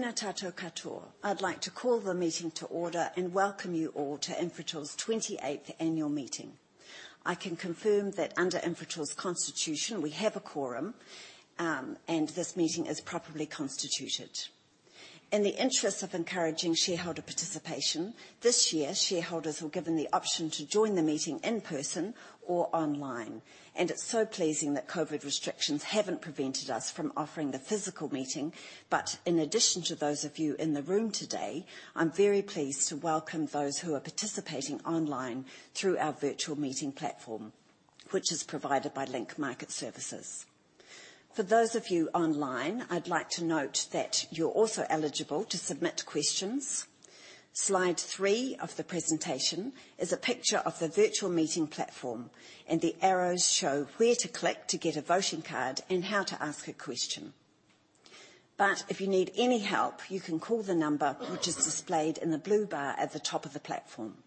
Tena tatou katoa. I'd like to call the meeting to order and welcome you all to Infratil's 28th annual meeting. I can confirm that under Infratil's constitution, we have a quorum, and this meeting is properly constituted. In the interest of encouraging shareholder participation, this year, shareholders were given the option to join the meeting in person or online. It's so pleasing that COVID restrictions haven't prevented us from offering the physical meeting. In addition to those of you in the room today, I'm very pleased to welcome those who are participating online through our virtual meeting platform, which is provided by Link Market Services. For those of you online, I'd like to note that you're also eligible to submit questions. Slide three of the presentation is a picture of the virtual meeting platform, and the arrows show where to click to get a voting card and how to ask a question. If you need any help, you can call the number which is displayed in the blue bar at the top of the platform.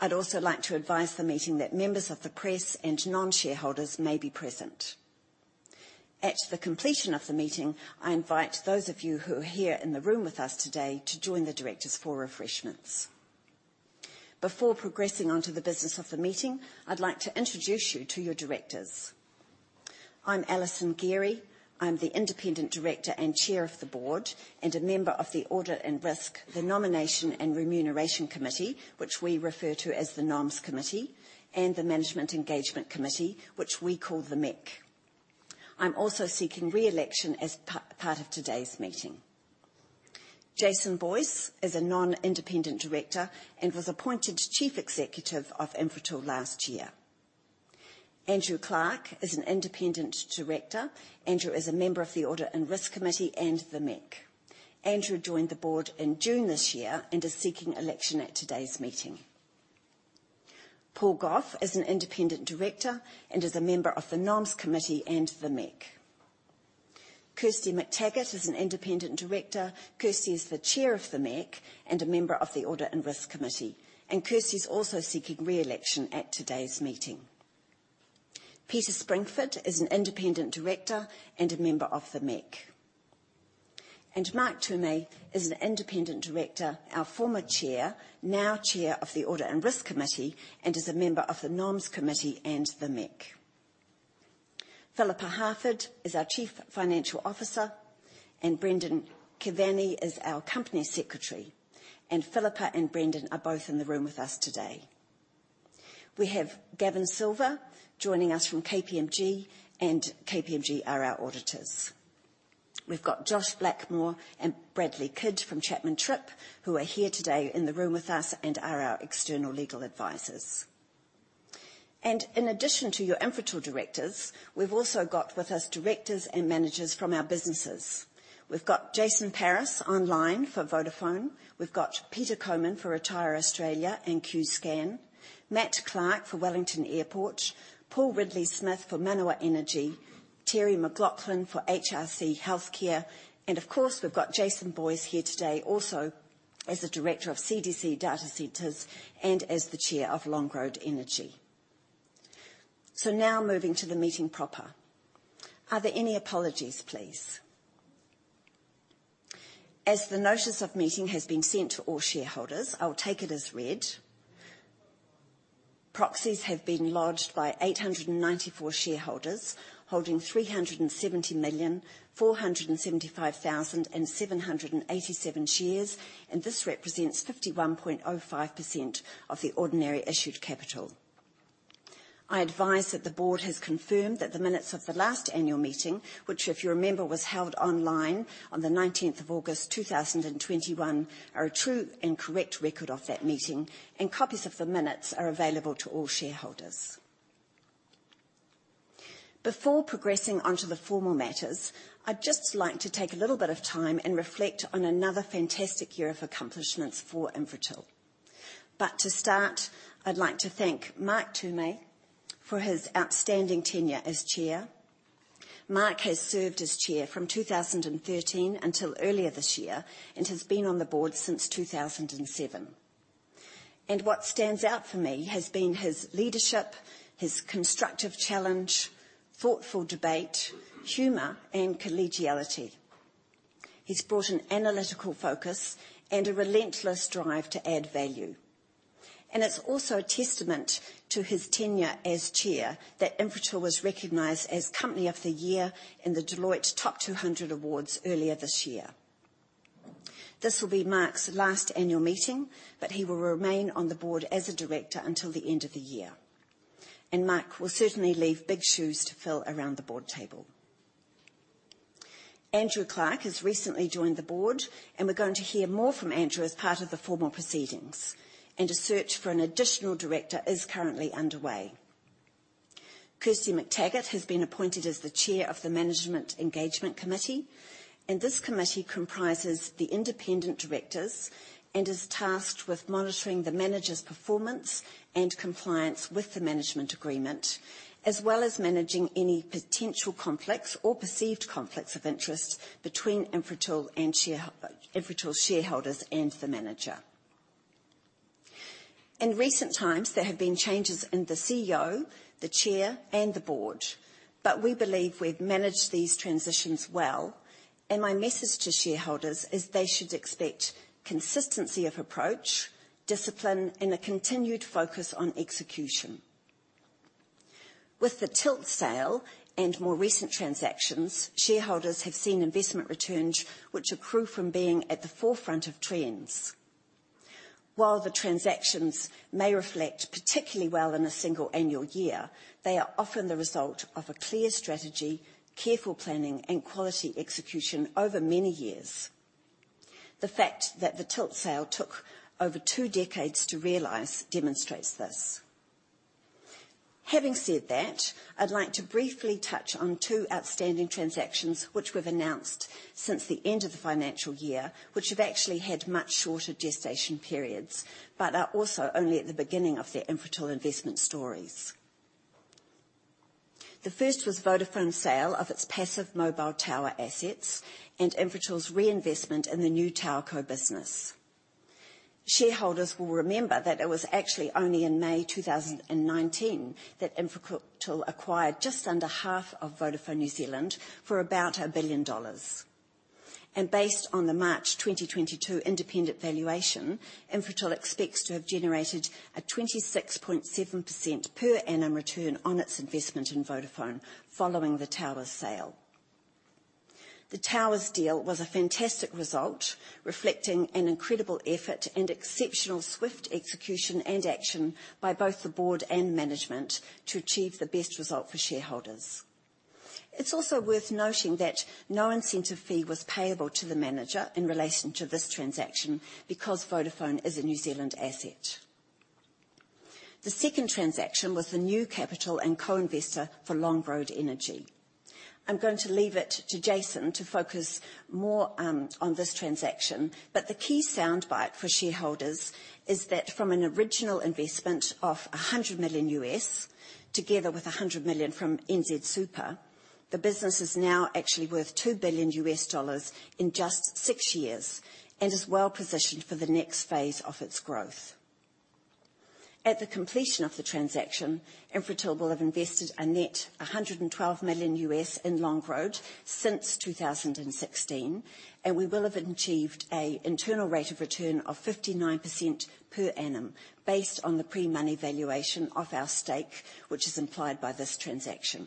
I'd also like to advise the meeting that members of the press and non-shareholders may be present. At the completion of the meeting, I invite those of you who are here in the room with us today to join the directors for refreshments. Before progressing onto the business of the meeting, I'd like to introduce you to your directors. I'm Alison Gerry. I'm the independent director and chair of the board, and a member of the Audit and Risk, the Nomination and Remuneration Committee, which we refer to as the NomS committee, and the Management Engagement Committee, which we call the MEC. I'm also seeking re-election as part of today's meeting. Jason Boyes is a non-independent director and was appointed Chief Executive of Infratil last year. Andrew Clark is an independent director. Andrew is a member of the Audit and Risk Committee and the MEC. Andrew joined the board in June this year and is seeking election at today's meeting. Paul Gough is an independent director and is a member of the NomS committee and the MEC. Kirsty Mactaggart is an independent director. Kirsty is the chair of the MEC and a member of the Audit and Risk Committee. Kirsty is also seeking re-election at today's meeting. Peter Springford is an independent director and a member of the MEC. Mark Tume is an independent director, our former Chair, now Chair of the Audit and Risk Committee, and is a member of the NomS committee and the MEC. Phillippa Harford is our Chief Financial Officer, and Brendan Kevany is our Company Secretary. Phillippa and Brendan are both in the room with us today. We have Gavin Silva joining us from KPMG, and KPMG are our auditors. We've got Josh Blackmore and Bradley Kidd from Chapman Tripp, who are here today in the room with us and are our external legal advisors. In addition to your Infratil directors, we've also got with us directors and managers from our businesses. We've got Jason Paris online for Vodafone. We've got Peter Coman for RetireAustralia and Qscan, Matt Clarke for Wellington Airport, Paul Ridley-Smith for Manawa Energy, Terry McLaughlin for H.R.L. Morrison & Co, and of course, we've got Jason Boyes here today also as the director of CDC Data Centres and as the chair of Longroad Energy. Now moving to the meeting proper. Are there any apologies, please? As the notice of meeting has been sent to all shareholders, I'll take it as read. Proxies have been lodged by 894 shareholders holding 370,475,787 shares, and this represents 51.05% of the ordinary issued capital. I advise that the board has confirmed that the minutes of the last annual meeting, which, if you remember, was held online on the 19th of August, 2021, are a true and correct record of that meeting, and copies of the minutes are available to all shareholders. Before progressing onto the formal matters, I'd just like to take a little bit of time and reflect on another fantastic year of accomplishments for Infratil. To start, I'd like to thank Mark Tume for his outstanding tenure as Chair. Mark has served as Chair from 2013 until earlier this year and has been on the board since 2007. What stands out for me has been his leadership, his constructive challenge, thoughtful debate, humor, and collegiality. He's brought an analytical focus and a relentless drive to add value. It's also a testament to his tenure as chair that Infratil was recognized as Company of the Year in the Deloitte Top 200 Awards earlier this year. This will be Mark's last annual meeting, but he will remain on the board as a director until the end of the year. Mark will certainly leave big shoes to fill around the board table. Andrew Clark has recently joined the board, and we're going to hear more from Andrew as part of the formal proceedings, and a search for an additional director is currently underway. Kirsty Mactaggart has been appointed as the chair of the Management Engagement Committee, and this committee comprises the independent directors and is tasked with monitoring the manager's performance and compliance with the management agreement, as well as managing any potential conflicts or perceived conflicts of interest between Infratil shareholders and the manager. In recent times, there have been changes in the CEO, the chair, and the board, but we believe we've managed these transitions well, and my message to shareholders is they should expect consistency of approach, discipline, and a continued focus on execution. With the Tilt sale and more recent transactions, shareholders have seen investment returns which accrue from being at the forefront of trends. While the transactions may reflect particularly well in a single annual year, they are often the result of a clear strategy, careful planning, and quality execution over many years. The fact that the Tilt sale took over two decades to realize demonstrates this. Having said that, I'd like to briefly touch on two outstanding transactions which we've announced since the end of the financial year, which have actually had much shorter gestation periods, but are also only at the beginning of their Infratil investment stories. The first was Vodafone's sale of its passive mobile tower assets and Infratil's reinvestment in the new TowerCo business. Shareholders will remember that it was actually only in May 2019 that Infratil acquired just under half of Vodafone New Zealand for about $1 billion. Based on the March 2022 independent valuation, Infratil expects to have generated a 26.7% per annum return on its investment in Vodafone following the towers sale. The towers deal was a fantastic result, reflecting an incredible effort and exceptional swift execution and action by both the board and management to achieve the best result for shareholders. It's also worth noting that no incentive fee was payable to the manager in relation to this transaction because Vodafone is a New Zealand asset. The second transaction was the new capital and co-investor for Longroad Energy. I'm going to leave it to Jason to focus more on this transaction, but the key soundbite for shareholders is that from an original investment of $100 million, together with $100 million from NZ Super Fund, the business is now actually worth $2 billion in just six years and is well-positioned for the next phase of its growth. At the completion of the transaction, Infratil will have invested a net $112 million in Longroad since 2016, and we will have achieved an internal rate of return of 59% per annum based on the pre-money valuation of our stake, which is implied by this transaction.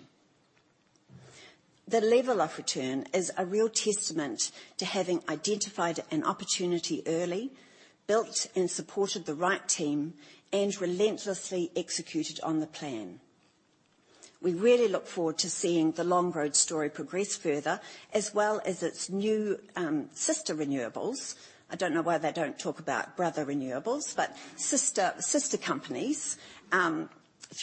The level of return is a real testament to having identified an opportunity early, built and supported the right team, and relentlessly executed on the plan. We really look forward to seeing the Longroad story progress further, as well as its new, sister renewables. I don't know why they don't talk about brother renewables, but sister companies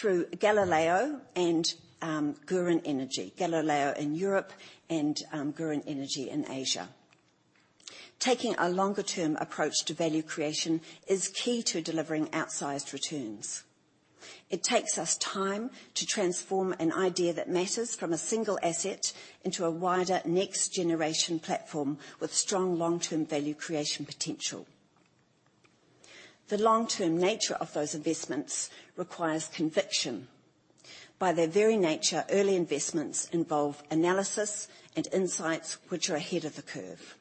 through Galileo and Gurīn Energy. Galileo in Europe and Gurīn Energy in Asia. Taking a longer term approach to value creation is key to delivering outsized returns. It takes us time to transform an idea that matters from a single asset into a wider next generation platform with strong long-term value creation potential. The long-term nature of those investments requires conviction. By their very nature, early investments involve analysis and insights which are ahead of the curve.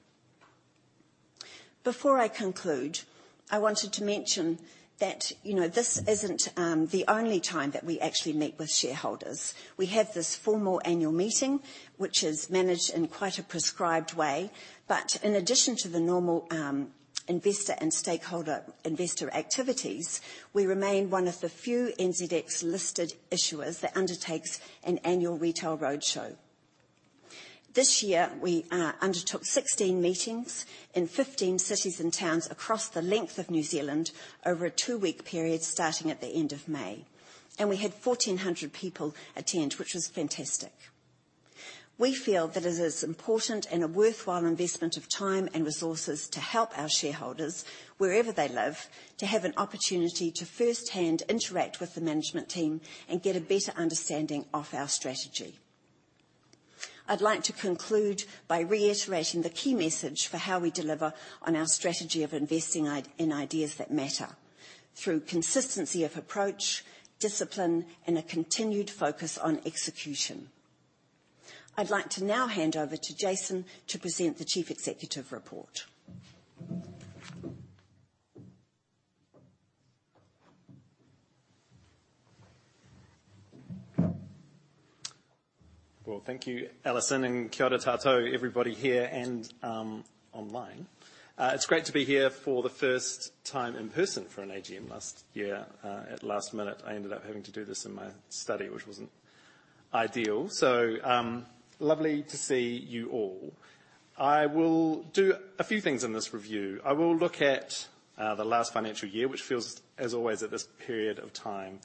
Before I conclude, I wanted to mention that, you know, this isn't the only time that we actually meet with shareholders. We have this formal annual meeting, which is managed in quite a prescribed way. But in addition to the normal investor and stakeholder investor activities, we remain one of the few NZX-listed issuers that undertakes an annual retail roadshow. This year, we undertook 16 meetings in 15 cities and towns across the length of New Zealand over a two-week period starting at the end of May. We had 1,400 people attend, which was fantastic. We feel that it is important and a worthwhile investment of time and resources to help our shareholders, wherever they live, to have an opportunity to firsthand interact with the management team and get a better understanding of our strategy. I'd like to conclude by reiterating the key message for how we deliver on our strategy of investing in ideas that matter, through consistency of approach, discipline, and a continued focus on execution. I'd like to now hand over to Jason to present the chief executive report. Well, thank you, Alison, and kia ora koutou, everybody here and online. It's great to be here for the first time in person for an AGM. Last year, at last minute, I ended up having to do this in my study, which wasn't ideal. Lovely to see you all. I will do a few things in this review. I will look at the last financial year, which feels as always at this period of time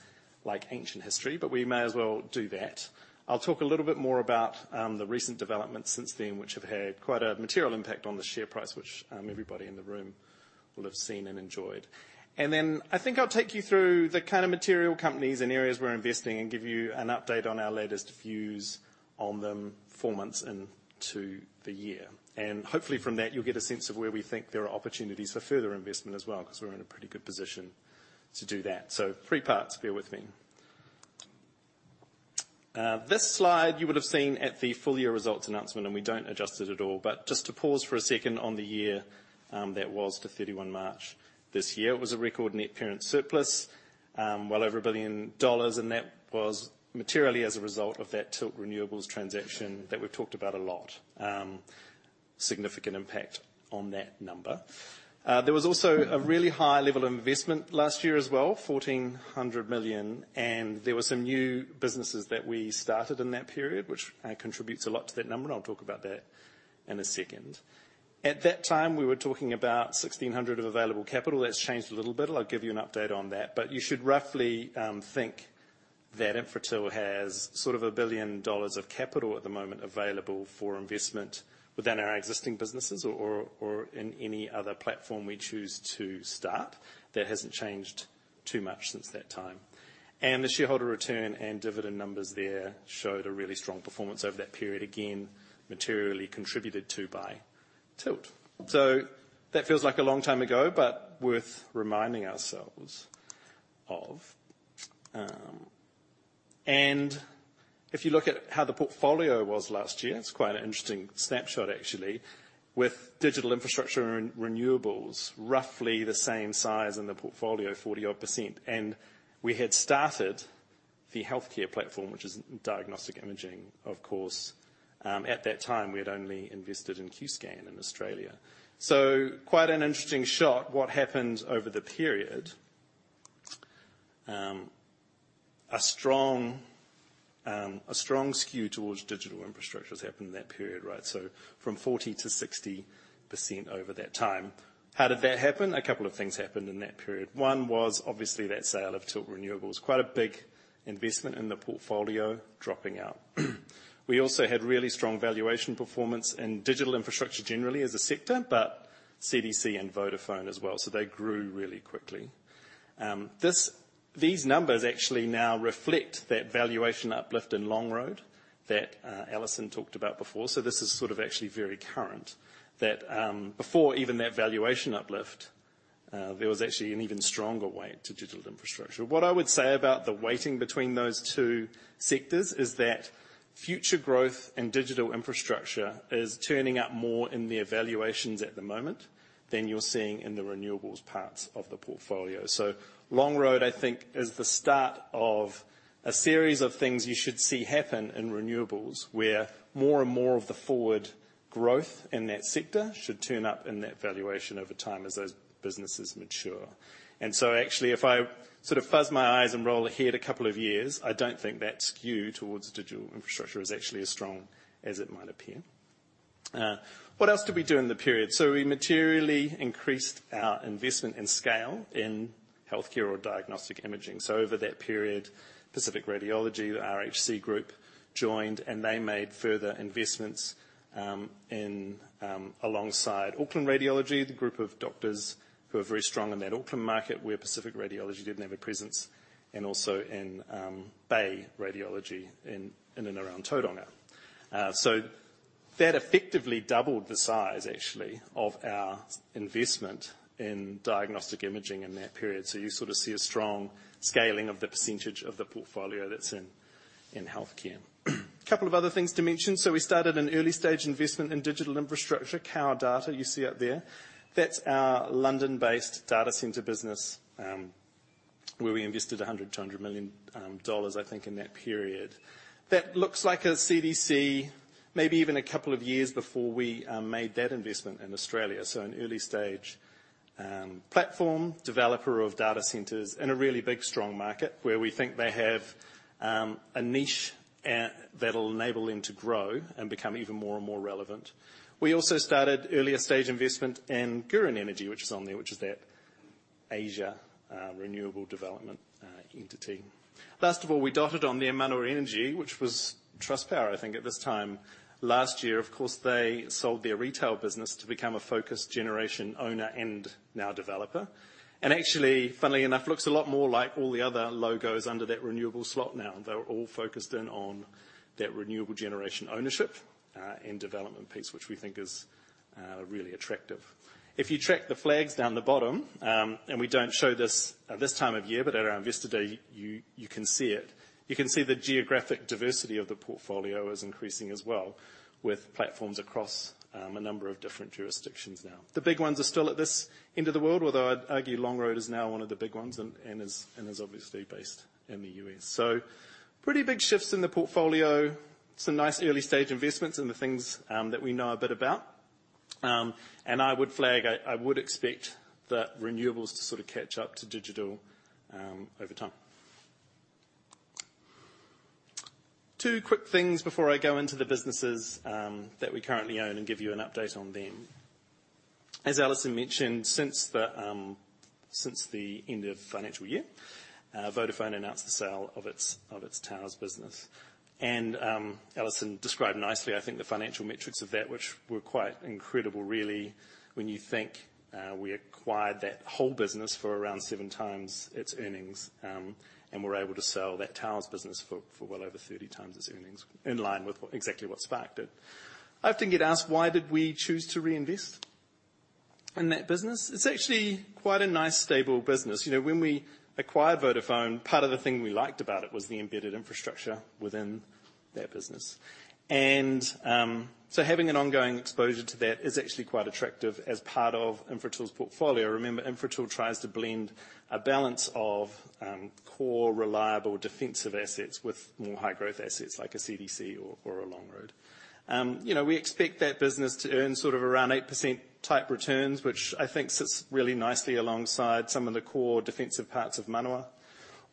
like ancient history, but we may as well do that. I'll talk a little bit more about the recent developments since then, which have had quite a material impact on the share price, which everybody in the room will have seen and enjoyed. I think I'll take you through the kind of material companies and areas we're investing and give you an update on our latest views on them four months into the year. Hopefully from that you'll get a sense of where we think there are opportunities for further investment as well, because we're in a pretty good position to do that. Three parts, bear with me. This slide you would have seen at the full year results announcement, and we don't adjust it at all. Just to pause for a second on the year, that was to 31 March this year. It was a record net parent surplus, well over 1 billion dollars, and that was materially as a result of that Tilt Renewables transaction that we've talked about a lot. Significant impact on that number. There was also a really high level of investment last year as well, 1,400 million, and there were some new businesses that we started in that period, which contributes a lot to that number, and I'll talk about that in a second. At that time, we were talking about 1,600 million of available capital. That's changed a little bit. I'll give you an update on that. You should roughly think that Infratil has sort of 1 billion dollars of capital at the moment available for investment within our existing businesses or in any other platform we choose to start. That hasn't changed too much since that time. The shareholder return and dividend numbers there showed a really strong performance over that period, again, materially contributed to by Tilt. That feels like a long time ago, but worth reminding ourselves of. If you look at how the portfolio was last year, it's quite an interesting snapshot actually, with digital infrastructure and renewables roughly the same size in the portfolio, 40-odd percent. We had started the healthcare platform, which is diagnostic imaging, of course. At that time, we had only invested in Qscan in Australia. Quite an interesting shot. What happened over the period, a strong skew towards digital infrastructure has happened in that period, right? From 40%-60% over that time. How did that happen? A couple of things happened in that period. One was obviously that sale of Tilt Renewables, quite a big investment in the portfolio dropping out. We also had really strong valuation performance in digital infrastructure generally as a sector, but CDC and Vodafone as well. They grew really quickly. These numbers actually now reflect that valuation uplift in Longroad that Alison talked about before. This is sort of actually very current that before even that valuation uplift there was actually an even stronger weight to digital infrastructure. What I would say about the weighting between those two sectors is that future growth in digital infrastructure is turning up more in the evaluations at the moment than you're seeing in the renewables parts of the portfolio. Longroad, I think, is the start of a series of things you should see happen in renewables, where more and more of the forward growth in that sector should turn up in that valuation over time as those businesses mature. Actually, if I sort of fuzz my eyes and roll ahead a couple of years, I don't think that skew towards digital infrastructure is actually as strong as it might appear. What else did we do in the period? We materially increased our investment and scale in healthcare or diagnostic imaging. Over that period, Pacific Radiology, the RHC group, joined, and they made further investments in alongside Auckland Radiology, the group of doctors who are very strong in that Auckland market, where Pacific Radiology didn't have a presence, and also in Bay Radiology in and around Tauranga. That effectively doubled the size actually of our investment in diagnostic imaging in that period. You sort of see a strong scaling of the percentage of the portfolio that's in healthcare. A couple of other things to mention. We started an early-stage investment in digital infrastructure, Kao Data you see up there. That's our London-based data center business, where we invested $100 million, I think, in that period. That looks like a CDC, maybe even a couple of years before we made that investment in Australia. An early stage platform developer of data centers in a really big, strong market where we think they have a niche that'll enable them to grow and become even more and more relevant. We also started earlier stage investment in Gurīn Energy, which is on there, which is that Asian renewable development entity. Last of all, we dotted on the Manawa Energy, which was Trustpower, I think at this time last year. Of course, they sold their retail business to become a focused generation owner and now developer. Actually, funnily enough, looks a lot more like all the other logos under that renewable slot now. They're all focused in on that renewable generation ownership and development piece, which we think is really attractive. If you track the flags down the bottom and we don't show this at this time of year, but around investor day you can see it. You can see the geographic diversity of the portfolio is increasing as well with platforms across a number of different jurisdictions now. The big ones are still at this end of the world, although I'd argue Longroad is now one of the big ones and is obviously based in the U.S. Pretty big shifts in the portfolio. Some nice early-stage investments in the things that we know a bit about. I would flag, I would expect the renewables to sort of catch up to digital over time. Two quick things before I go into the businesses that we currently own and give you an update on them. As Alison mentioned, since the end of financial year, Vodafone announced the sale of its towers business. Alison described nicely, I think, the financial metrics of that, which were quite incredible, really, when you think, we acquired that whole business for around 7x its earnings, and were able to sell that towers business for well over 30x its earnings, in line with exactly what Spark did. I often get asked, why did we choose to reinvest? In that business, it's actually quite a nice stable business. You know, when we acquired Vodafone, part of the thing we liked about it was the embedded infrastructure within that business. Having an ongoing exposure to that is actually quite attractive as part of Infratil's portfolio. Remember, Infratil tries to blend a balance of core, reliable, defensive assets with more high growth assets like a CDC or a Longroad. You know, we expect that business to earn sort of around 8% type returns, which I think sits really nicely alongside some of the core defensive parts of Manawa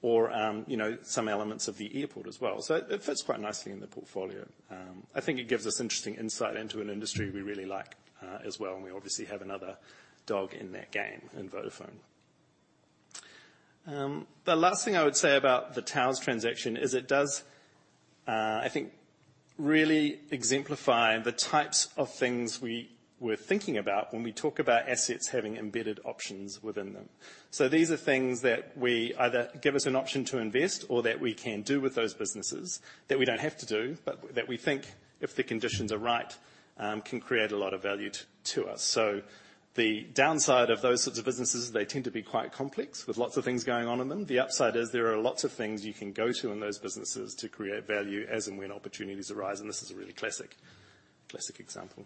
or you know, some elements of the airport as well. It fits quite nicely in the portfolio. I think it gives us interesting insight into an industry we really like, as well, and we obviously have another dog in that game in Vodafone. The last thing I would say about the TowerCo transaction is it does, I think really exemplify the types of things we were thinking about when we talk about assets having embedded options within them. These are things that we either give us an option to invest or that we can do with those businesses that we don't have to do, but that we think if the conditions are right, can create a lot of value to us. The downside of those sorts of businesses, they tend to be quite complex with lots of things going on in them. The upside is there are lots of things you can go to in those businesses to create value as and when opportunities arise, and this is a really classic example.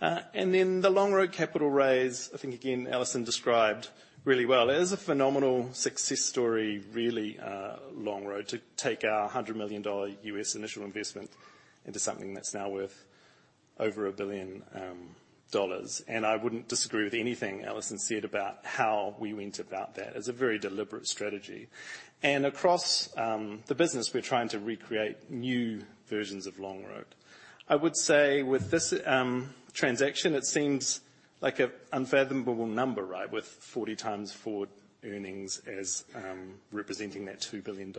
The Longroad capital raise, I think again, Alison described really well. It is a phenomenal success story, really, Longroad, to take our $100 million U.S. initial investment into something that's now worth over $1 billion. I wouldn't disagree with anything Alison said about how we went about that. It's a very deliberate strategy. Across the business, we're trying to recreate new versions of Longroad. I would say with this transaction, it seems like an unfathomable number, right, with 40x forward earnings as representing that $2 billion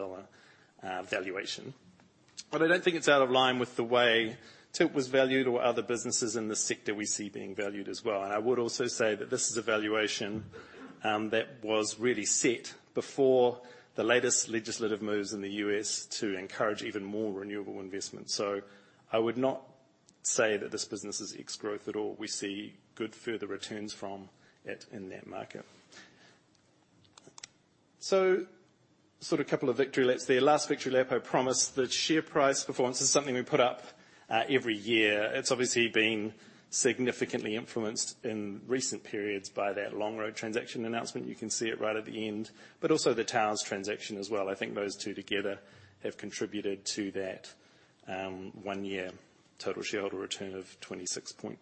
valuation. I don't think it's out of line with the way Tilt was valued or other businesses in this sector we see being valued as well. I would also say that this is a valuation that was really set before the latest legislative moves in the U.S. to encourage even more renewable investment. I would not say that this business is ex-growth at all. We see good further returns from it in that market. Sort of couple of victory laps there. Last victory lap I promise, the share price performance is something we put up every year. It's obviously been significantly influenced in recent periods by that Longroad transaction announcement. You can see it right at the end, but also the TowerCo transaction as well. I think those two together have contributed to that one-year total shareholder return of 26.4%.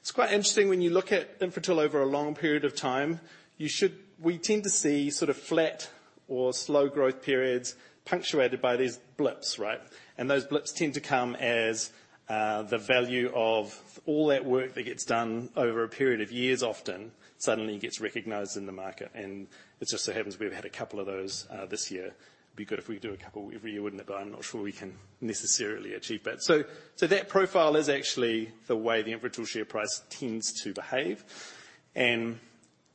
It's quite interesting when you look at Infratil over a long period of time. We tend to see sort of flat or slow growth periods punctuated by these blips, right? Those blips tend to come as, the value of all that work that gets done over a period of years often suddenly gets recognized in the market. It just so happens we've had a couple of those, this year. Be good if we could do a couple every year, wouldn't it? I'm not sure we can necessarily achieve that. So that profile is actually the way the Infratil share price tends to behave.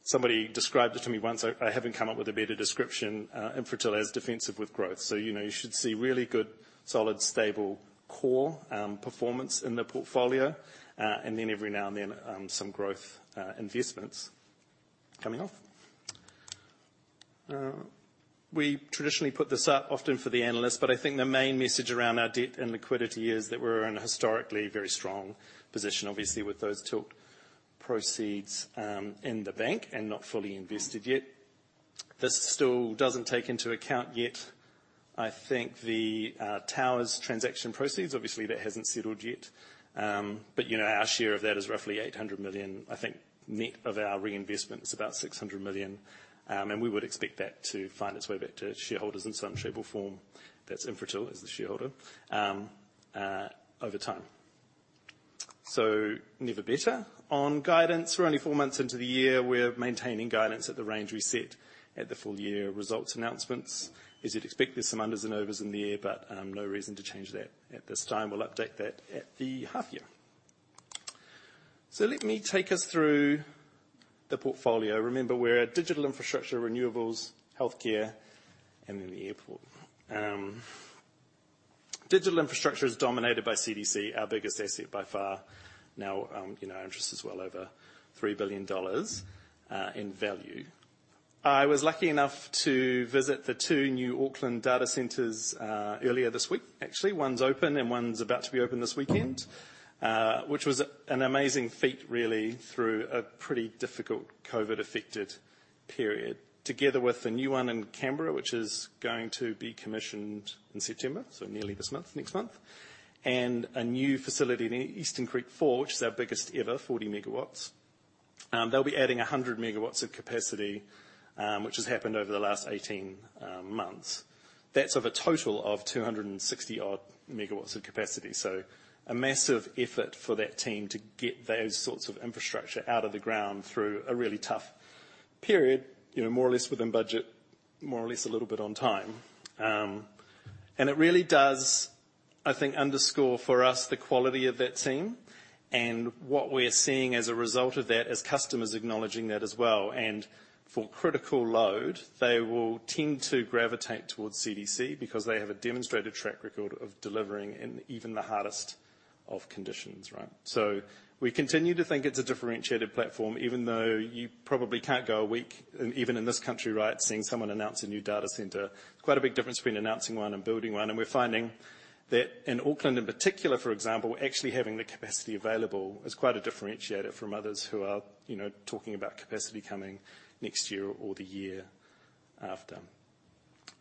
Somebody described it to me once. I haven't come up with a better description, Infratil as defensive with growth. You know, you should see really good, solid, stable core performance in the portfolio, and then every now and then, some growth investments coming off. We traditionally put this up often for the analysts, but I think the main message around our debt and liquidity is that we're in a historically very strong position, obviously with those Tilt proceeds in the bank and not fully invested yet. This still doesn't take into account yet, I think the TowerCo transaction proceeds. Obviously, that hasn't settled yet. You know, our share of that is roughly 800 million. I think net of our reinvestment is about 600 million, and we would expect that to find its way back to shareholders in some shape or form. That's Infratil as the shareholder over time. Never better on guidance. We're only four months into the year. We're maintaining guidance at the range we set at the full year results announcements. As you'd expect, there's some unders and overs in the air, but no reason to change that at this time. We'll update that at the half year. Let me take us through the portfolio. Remember, we're a digital infrastructure, renewables, healthcare, and then the airport. Digital infrastructure is dominated by CDC, our biggest asset by far. Now, you know, our interest is well over 3 billion dollars in value. I was lucky enough to visit the two new Auckland data centers earlier this week, actually. One's open and one's about to be open this weekend, which was an amazing feat, really, through a pretty difficult COVID-affected period. Together with the new one in Canberra, which is going to be commissioned in September, so nearly this month, next month, and a new facility in Eastern Creek Four, which is our biggest ever, 40 MW. They'll be adding 100 MW of capacity, which has happened over the last 18 months. That's of a total of 260-odd MW of capacity. A massive effort for that team to get those sorts of infrastructure out of the ground through a really tough period, you know, more or less within budget, more or less a little bit on time. It really does, I think, underscore for us the quality of that team and what we're seeing as a result of that as customers acknowledging that as well. For critical load, they will tend to gravitate towards CDC because they have a demonstrated track record of delivering in even the hardest of conditions, right? We continue to think it's a differentiated platform, even though you probably can't go a week, and even in this country, right, seeing someone announce a new data center. Quite a big difference between announcing one and building one, and we're finding that in Auckland, in particular, for example, actually having the capacity available is quite a differentiator from others who are, you know, talking about capacity coming next year or the year after.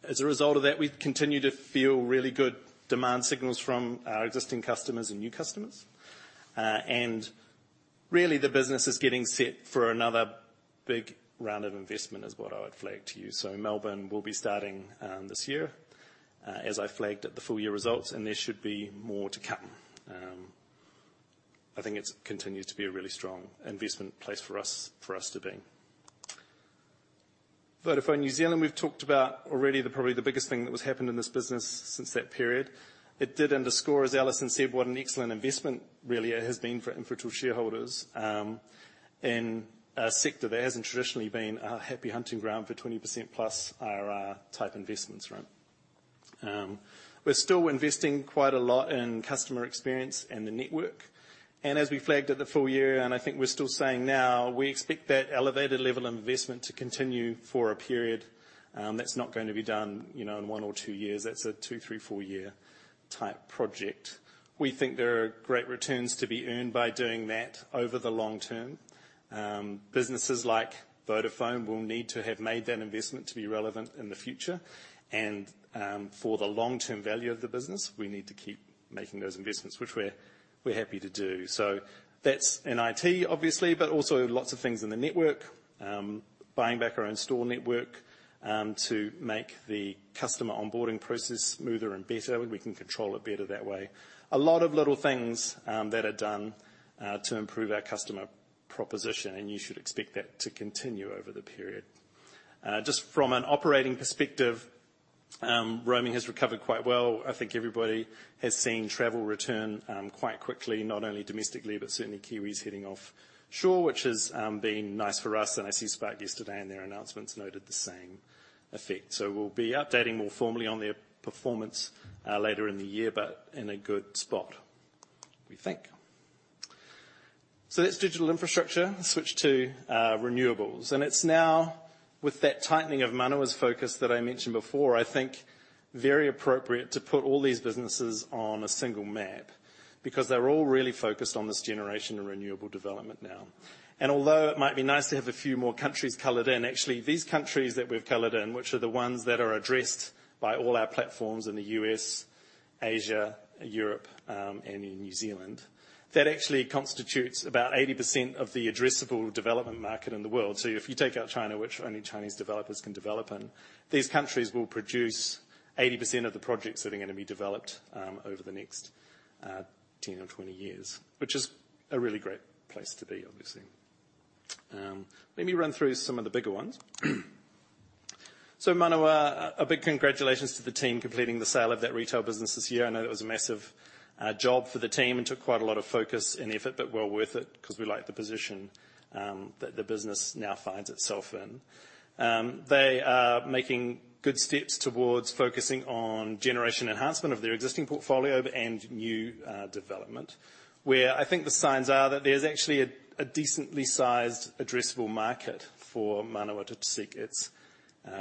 As a result of that, we've continued to feel really good demand signals from our existing customers and new customers. And really the business is getting set for another big round of investment is what I would flag to you. Melbourne will be starting this year, as I flagged at the full year results, and there should be more to come. I think it's continued to be a really strong investment place for us to be. Vodafone New Zealand, we've talked about already the biggest thing that has happened in this business since that period. It did underscore, as Alison said, what an excellent investment really it has been for Infratil shareholders, in a sector that hasn't traditionally been a happy hunting ground for 20%+ IRR type investments return. We're still investing quite a lot in customer experience and the network. As we flagged at the full year, and I think we're still saying now, we expect that elevated level of investment to continue for a period. That's not going to be done, you know, in one or two years. That's a two, three, four-year type project. We think there are great returns to be earned by doing that over the long term. Businesses like Vodafone will need to have made that investment to be relevant in the future. For the long-term value of the business, we need to keep making those investments, which we're happy to do. That's in IT, obviously, but also lots of things in the network. Buying back our own store network to make the customer onboarding process smoother and better. We can control it better that way. A lot of little things that are done to improve our customer proposition, and you should expect that to continue over the period. Just from an operating perspective, roaming has recovered quite well. I think everybody has seen travel return quite quickly, not only domestically, but certainly Kiwis heading offshore, which has been nice for us. I see Spark yesterday in their announcements noted the same effect. We'll be updating more formally on their performance later in the year, but in a good spot, we think. That's digital infrastructure. Switch to renewables. It's now with that tightening of Manawa's focus that I mentioned before, I think very appropriate to put all these businesses on a single map because they're all really focused on this generation and renewable development now. Although it might be nice to have a few more countries colored in, actually, these countries that we've colored in, which are the ones that are addressed by all our platforms in the US, Asia, Europe, and in New Zealand, that actually constitutes about 80% of the addressable development market in the world. If you take out China, which only Chinese developers can develop in, these countries will produce 80% of the projects that are gonna be developed over the next 10 or 20 years, which is a really great place to be, obviously. Let me run through some of the bigger ones. Manawa, a big congratulations to the team completing the sale of that retail business this year. I know it was a massive job for the team and took quite a lot of focus and effort, but well worth it 'cause we like the position that the business now finds itself in. They are making good steps towards focusing on generation enhancement of their existing portfolio and new development, where I think the signs are that there's actually a decently sized addressable market for Manawa to seek its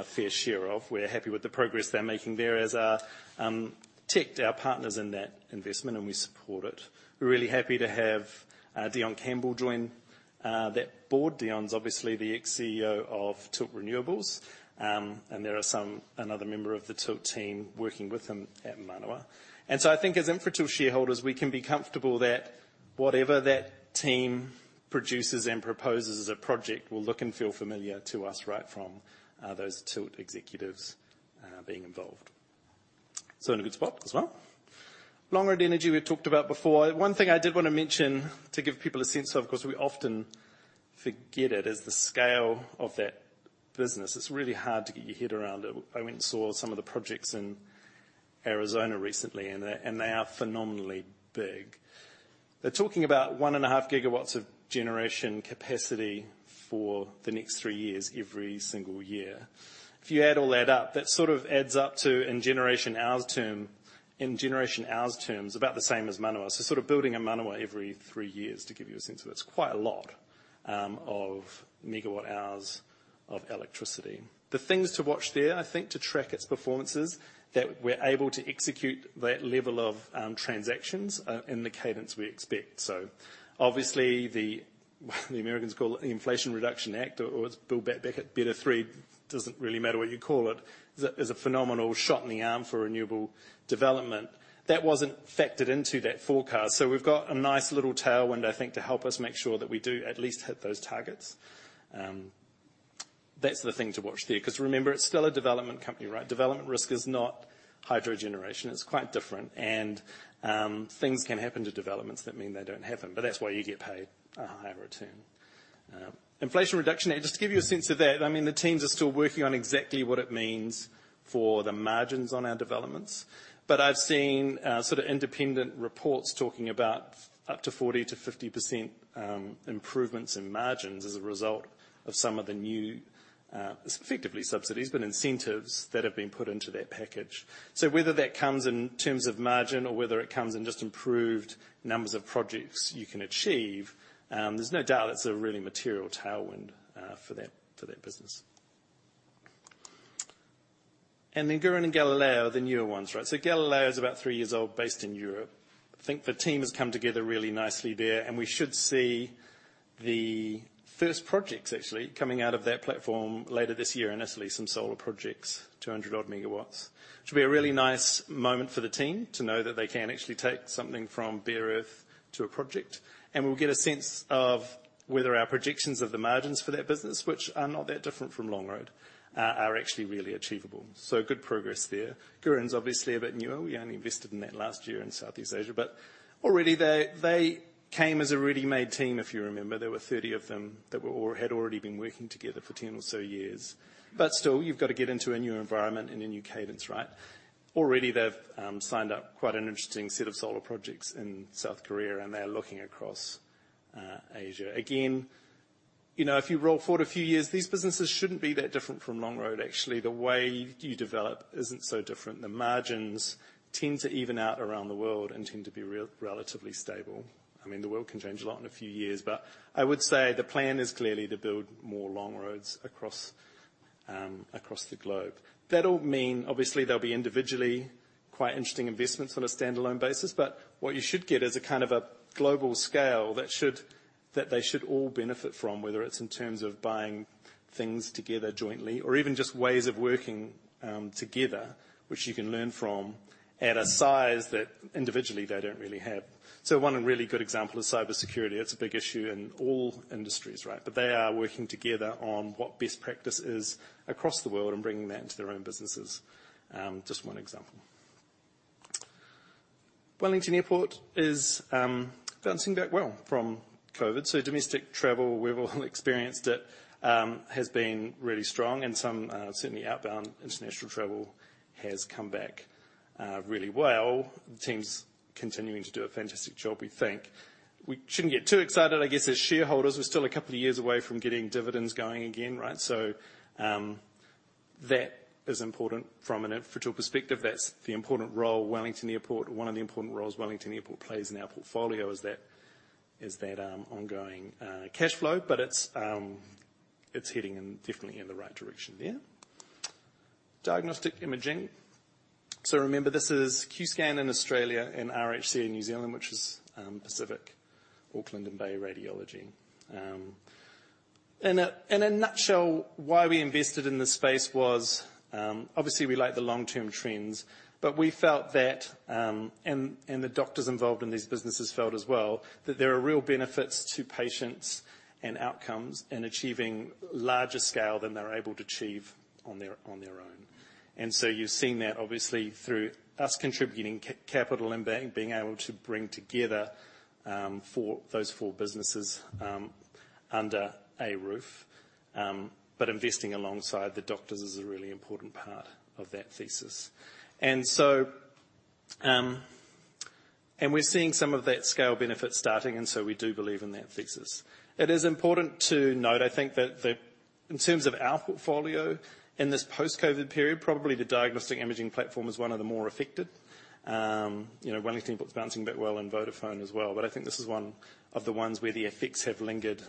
fair share of. We're happy with the progress they're making there as our tech their partners in that investment, and we support it. We're really happy to have Dion Campbell join that board. Dion's obviously the ex-CEO of Tilt Renewables, and there is another member of the Tilt team working with him at Manawa. I think as Infratil shareholders, we can be comfortable that whatever that team produces and proposes as a project will look and feel familiar to us right from those Tilt executives being involved. In a good spot as well. Longroad Energy we've talked about before. One thing I did wanna mention to give people a sense of, 'cause we often forget it, is the scale of that business. It's really hard to get your head around it. I went and saw some of the projects in Arizona recently, and they are phenomenally big. They're talking about 1.5 GW of generation capacity for the next three years, every single year. If you add all that up, that sort of adds up to, in generation hours terms, about the same as Manawa. Building a Manawa every three years to give you a sense of. It's quite a lot of megawatt hours of electricity. The things to watch there, I think to track its performance, that we're able to execute that level of transactions and the cadence we expect. Obviously, the Americans call it the Inflation Reduction Act or it's Build Back Better. Doesn't really matter what you call it. It's a phenomenal shot in the arm for renewable development. That wasn't factored into that forecast. We've got a nice little tailwind, I think, to help us make sure that we do at least hit those targets. That's the thing to watch there, 'cause remember, it's still a development company, right? Development risk is not hydro generation. It's quite different. Things can happen to developments that mean they don't happen, but that's why you get paid a higher return. Inflation Reduction, and just to give you a sense of that, I mean, the teams are still working on exactly what it means for the margins on our developments. I've seen sort of independent reports talking about up to 40%-50% improvements in margins as a result of some of the new effectively subsidies, but incentives that have been put into that package. Whether that comes in terms of margin or whether it comes in just improved numbers of projects you can achieve, there's no doubt it's a really material tailwind for that business. Gurīn and Galileo are the newer ones, right? Galileo is about three years old, based in Europe. I think the team has come together really nicely there, and we should see the first projects actually coming out of that platform later this year in Italy, some solar projects, 200-odd MW. It should be a really nice moment for the team to know that they can actually take something from bare earth to a project. We'll get a sense of whether our projections of the margins for that business, which are not that different from Longroad, are actually really achievable. Good progress there. Gurīn's obviously a bit newer. We only invested in that last year in Southeast Asia. Already they came as a ready-made team, if you remember. There were 30 of them that had already been working together for 10 or so years. Still, you've got to get into a new environment and a new cadence, right? Already they've signed up quite an interesting set of solar projects in South Korea, and they're looking across Asia. Again, you know, if you roll forward a few years, these businesses shouldn't be that different from Longroad actually. The way you develop isn't so different. The margins tend to even out around the world and tend to be relatively stable. I mean, the world can change a lot in a few years, but I would say the plan is clearly to build more Longroads across the globe. That'll mean obviously there'll be individually quite interesting investments on a standalone basis, but what you should get is a kind of a global scale that they should all benefit from, whether it's in terms of buying things together jointly or even just ways of working, together, which you can learn from at a size that individually they don't really have. One really good example is cybersecurity. It's a big issue in all industries, right? But they are working together on what best practice is across the world and bringing that into their own businesses. Just one example. Wellington Airport is bouncing back well from COVID. Domestic travel, we've all experienced it, has been really strong and some certainly outbound international travel has come back, really well. The team's continuing to do a fantastic job, we think. We shouldn't get too excited, I guess, as shareholders. We're still a couple of years away from getting dividends going again, right? That is important from an Infratil perspective. That's the important role Wellington Airport plays in our portfolio, one of the important roles, is that ongoing cash flow. But it's heading definitely in the right direction there. Diagnostic imaging. Remember, this is Qscan in Australia and RHC in New Zealand, which is Pacific Radiology, Auckland Radiology, and Bay Radiology. In a nutshell, why we invested in this space was obviously we like the long-term trends, but we felt that and the doctors involved in these businesses felt as well, that there are real benefits to patients and outcomes in achieving larger scale than they're able to achieve on their own. You've seen that obviously through us contributing capital and being able to bring together those four businesses under a roof. Investing alongside the doctors is a really important part of that thesis. We're seeing some of that scale benefit starting, and so we do believe in that thesis. It is important to note, I think, that in terms of our portfolio in this post-COVID period, probably the diagnostic imaging platform is one of the more affected. You know, Wellington Airport's bouncing a bit well and Vodafone as well, but I think this is one of the ones where the effects have lingered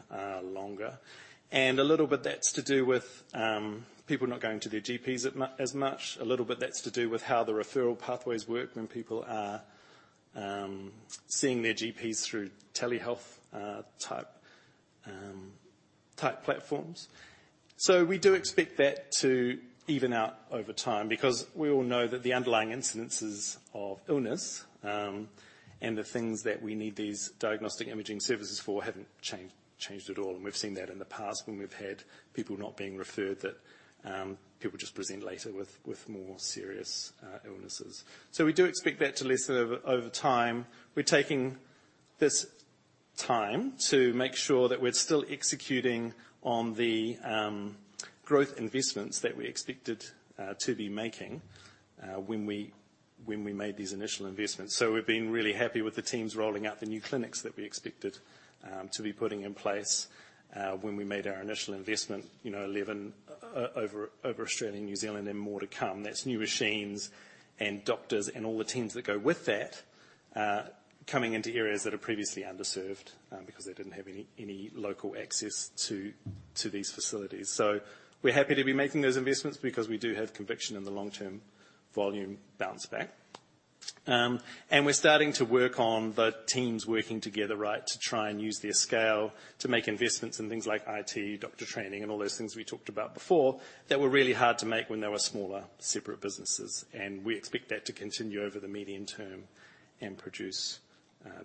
longer. A little bit that's to do with people not going to their GPs as much. A little bit that's to do with how the referral pathways work when people are seeing their GPs through telehealth type platforms. We do expect that to even out over time because we all know that the underlying incidences of illness and the things that we need these diagnostic imaging services for haven't changed at all. We've seen that in the past when we've had people not being referred, that people just present later with more serious illnesses. We do expect that to lessen over time. We're taking this time to make sure that we're still executing on the growth investments that we expected to be making when we made these initial investments. We've been really happy with the teams rolling out the new clinics that we expected to be putting in place when we made our initial investment, you know, 11 over Australia and New Zealand and more to come. That's new machines and doctors and all the teams that go with that coming into areas that are previously underserved because they didn't have any local access to these facilities. We're happy to be making those investments because we do have conviction in the long-term volume bounce back. We're starting to work on the teams working together, right, to try and use their scale to make investments in things like IT, doctor training, and all those things we talked about before that were really hard to make when they were smaller, separate businesses. We expect that to continue over the medium term and produce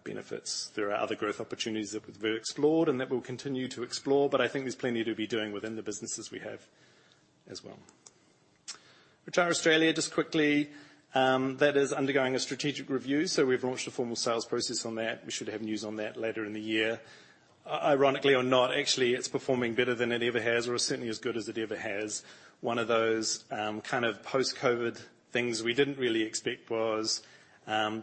benefits. There are other growth opportunities that we've explored and that we'll continue to explore, but I think there's plenty to be doing within the businesses we have as well. RetireAustralia, just quickly, that is undergoing a strategic review. We've launched a formal sales process on that. We should have news on that later in the year. Ironically or not, actually, it's performing better than it ever has, or certainly as good as it ever has. One of those kind of post-COVID things we didn't really expect was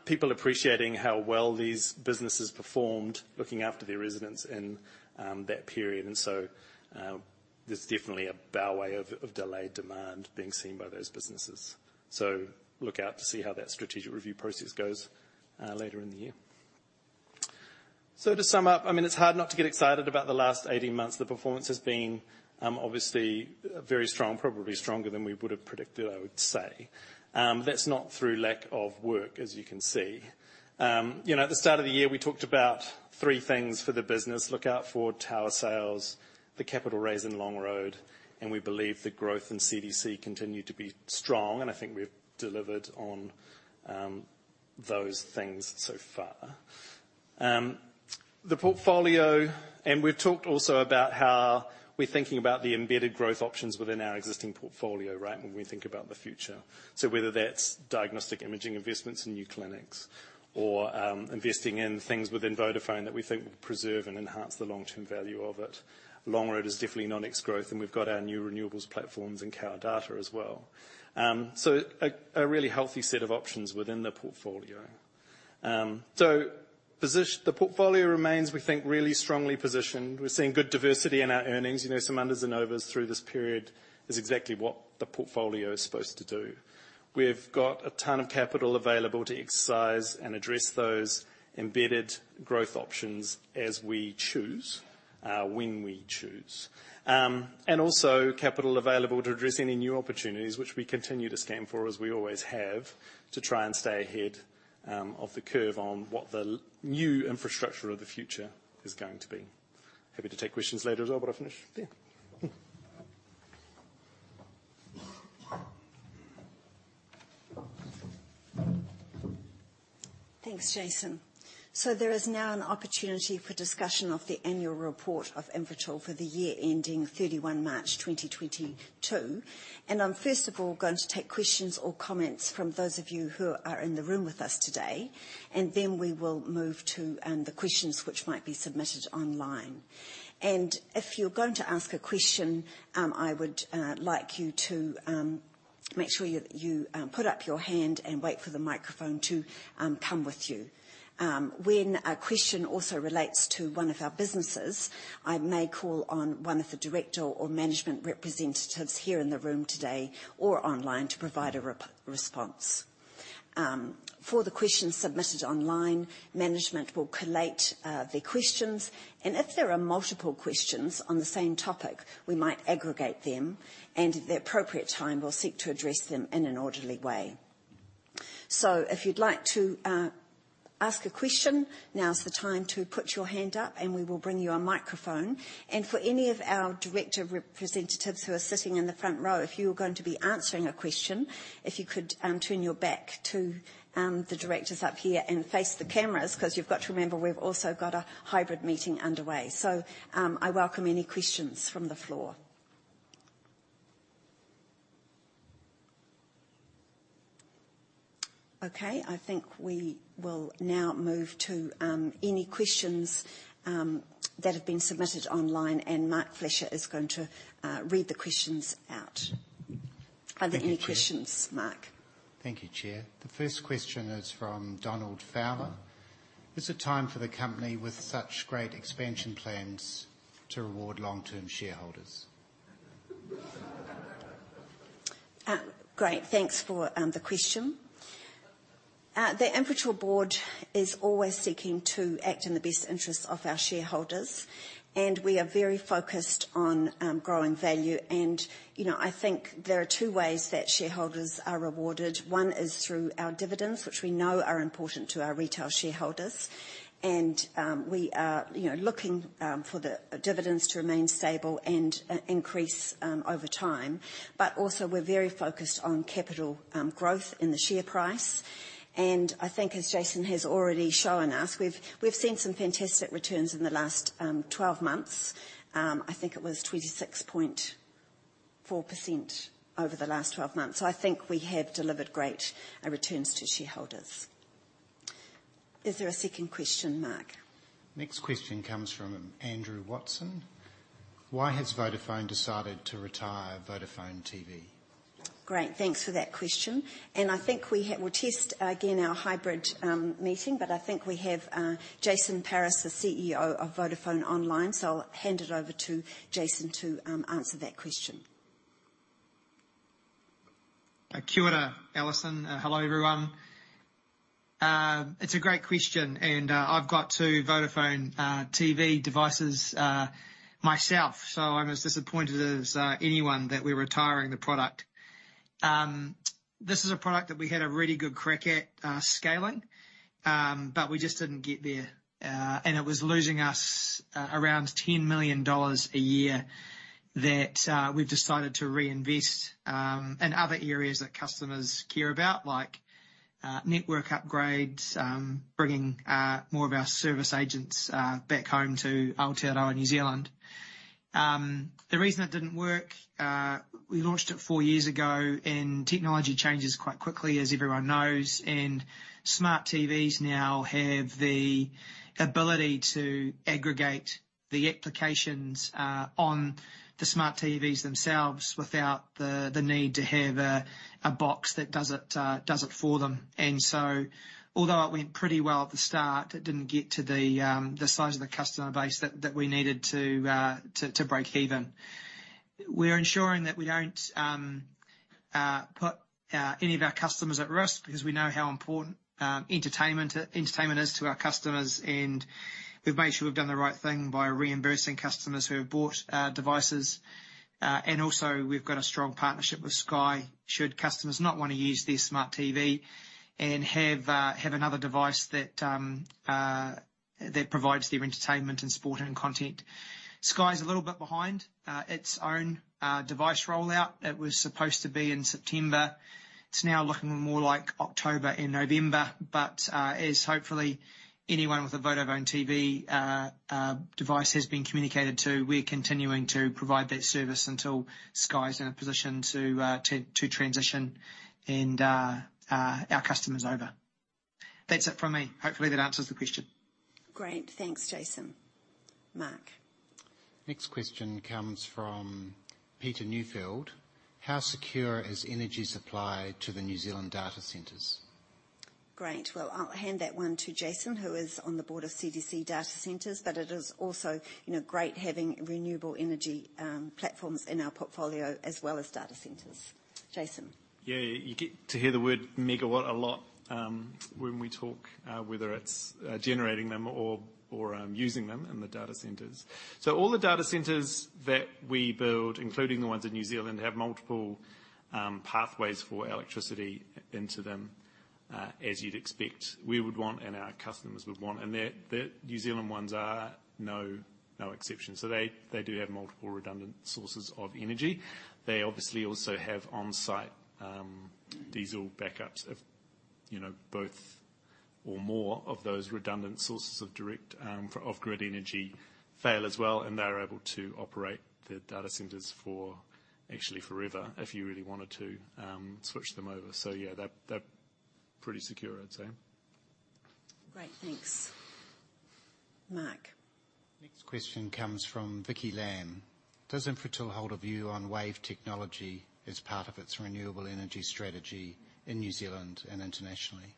people appreciating how well these businesses performed looking after their residents in that period. There's definitely a bow wave of delayed demand being seen by those businesses. Look out to see how that strategic review process goes later in the year. To sum up, I mean, it's hard not to get excited about the last 18 months. The performance has been obviously very strong, probably stronger than we would've predicted, I would say. That's not through lack of work, as you can see. You know, at the start of the year, we talked about three things for the business. Look out for tower sales, the capital raise in Longroad, and we believe the growth in CDC continued to be strong, and I think we've delivered on those things so far. The portfolio. We've talked also about how we're thinking about the embedded growth options within our existing portfolio, right? When we think about the future. Whether that's diagnostic imaging investments in new clinics or investing in things within Vodafone that we think will preserve and enhance the long-term value of it. Longroad is definitely non-core growth, and we've got our new renewables platforms and Kao Data as well. A really healthy set of options within the portfolio. The portfolio remains, we think, really strongly positioned. We're seeing good diversity in our earnings. You know, some unders and overs through this period is exactly what the portfolio is supposed to do. We've got a ton of capital available to exercise and address those embedded growth options as we choose, when we choose. capital available to address any new opportunities which we continue to scan for as we always have, to try and stay ahead of the curve on what the new infrastructure of the future is going to be. Happy to take questions later as well, but I'll finish there. Thanks, Jason. There is now an opportunity for discussion of the annual report of Infratil for the year ending March 31, 2022. I'm first of all going to take questions or comments from those of you who are in the room with us today, and then we will move to the questions which might be submitted online. If you're going to ask a question, I would like you to make sure you put up your hand and wait for the microphone to come to you. When a question also relates to one of our businesses, I may call on one of the director or management representatives here in the room today or online to provide a response. For the questions submitted online, management will collate the questions, and if there are multiple questions on the same topic, we might aggregate them and at the appropriate time will seek to address them in an orderly way. If you'd like to ask a question, now is the time to put your hand up, and we will bring you a microphone. For any of our director representatives who are sitting in the front row, if you're going to be answering a question, if you could turn your back to the directors up here and face the cameras, 'cause you've got to remember, we've also got a hybrid meeting underway. I welcome any questions from the floor. Okay, I think we will now move to any questions that have been submitted online, and Mark Flesher is going to read the questions out. Thank you, Chair. Are there any questions, Mark? Thank you, Chair. The first question is from Donald Fowler. Is it time for the company with such great expansion plans to reward long-term shareholders? Great. Thanks for the question. The Infratil board is always seeking to act in the best interests of our shareholders, and we are very focused on growing value. You know, I think there are two ways that shareholders are rewarded. One is through our dividends, which we know are important to our retail shareholders. We are, you know, looking for the dividends to remain stable and increase over time. Also we're very focused on capital growth in the share price. I think, as Jason has already shown us, we've seen some fantastic returns in the last 12 months. I think it was 26.4% over the last 12 months. I think we have delivered great returns to shareholders. Is there a second question, Mark? Next question comes from Andrew Watson. Why has Vodafone decided to retire Vodafone TV? Great. Thanks for that question. I think we'll test again our hybrid meeting. I think we have Jason Paris, the CEO of Vodafone online. I'll hand it over to Jason to answer that question. Kia ora, Alison. Hello, everyone. It's a great question, and I've got two Vodafone TV devices myself, so I'm as disappointed as anyone that we're retiring the product. This is a product that we had a really good crack at scaling, but we just didn't get there. It was losing us around 10 million dollars a year that we've decided to reinvest in other areas that customers care about, like network upgrades, bringing more of our service agents back home to Aotearoa New Zealand. The reason it didn't work, we launched it four years ago, and technology changes quite quickly, as everyone knows. Smart TVs now have the ability to aggregate the applications on the smart TVs themselves without the need to have a box that does it for them. Although it went pretty well at the start, it didn't get to the size of the customer base that we needed to break even. We're ensuring that we don't put any of our customers at risk because we know how important entertainment is to our customers, and we've made sure we've done the right thing by reimbursing customers who have bought devices. We've got a strong partnership with Sky should customers not wanna use their smart TV and have another device that provides their entertainment and sport and content. Sky's a little bit behind its own device rollout. It was supposed to be in September. It's now looking more like October and November. As hopefully anyone with a Vodafone TV device has been communicated to, we're continuing to provide that service until Sky's in a position to transition our customers over. That's it from me. Hopefully that answers the question. Great. Thanks, Jason. Mark. Next question comes from Paul Newfield. How secure is energy supply to the New Zealand data centers? Great. Well, I'll hand that one to Jason, who is on the board of CDC Data Centres, but it is also, you know, great having renewable energy platforms in our portfolio as well as data centers. Jason. Yeah, you get to hear the word megawatt a lot, when we talk, whether it's generating them or using them in the data centers. All the data centers that we build, including the ones in New Zealand, have multiple pathways for electricity into them, as you'd expect we would want and our customers would want. The New Zealand ones are no exception. They do have multiple redundant sources of energy. They obviously also have on-site diesel backups if you know, both or more of those redundant sources of direct off-grid energy fail as well, and they're able to operate the data centers for actually forever if you really wanted to switch them over. Yeah, they're pretty secure, I'd say. Great. Thanks, Mark. Next question comes from Vicky Lam. Does Infratil hold a view on wave technology as part of its renewable energy strategy in New Zealand and internationally?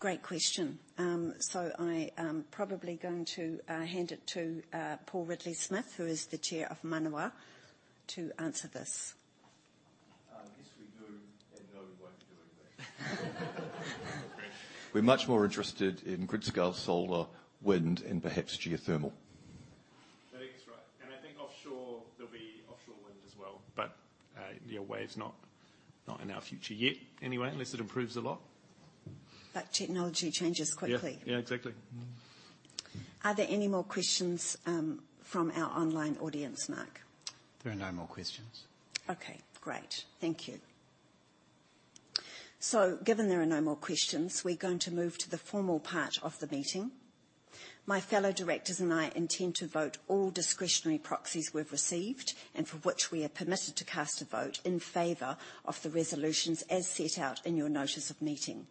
Great question. I am probably going to hand it to Paul Ridley-Smith, who is the Chair of Manawa, to answer this. Yes, we do, and no, we won't be doing that. We're much more interested in grid-scale solar, wind, and perhaps geothermal. I think he's right. I think offshore, there'll be offshore wind as well. Yeah, wave's not in our future yet anyway, unless it improves a lot. Technology changes quickly. Yeah, yeah, exactly. Are there any more questions, from our online audience, Mark? There are no more questions. Okay, great. Thank you. Given there are no more questions, we're going to move to the formal part of the meeting. My fellow directors and I intend to vote all discretionary proxies we've received and for which we are permitted to cast a vote in favor of the resolutions as set out in your notice of meeting.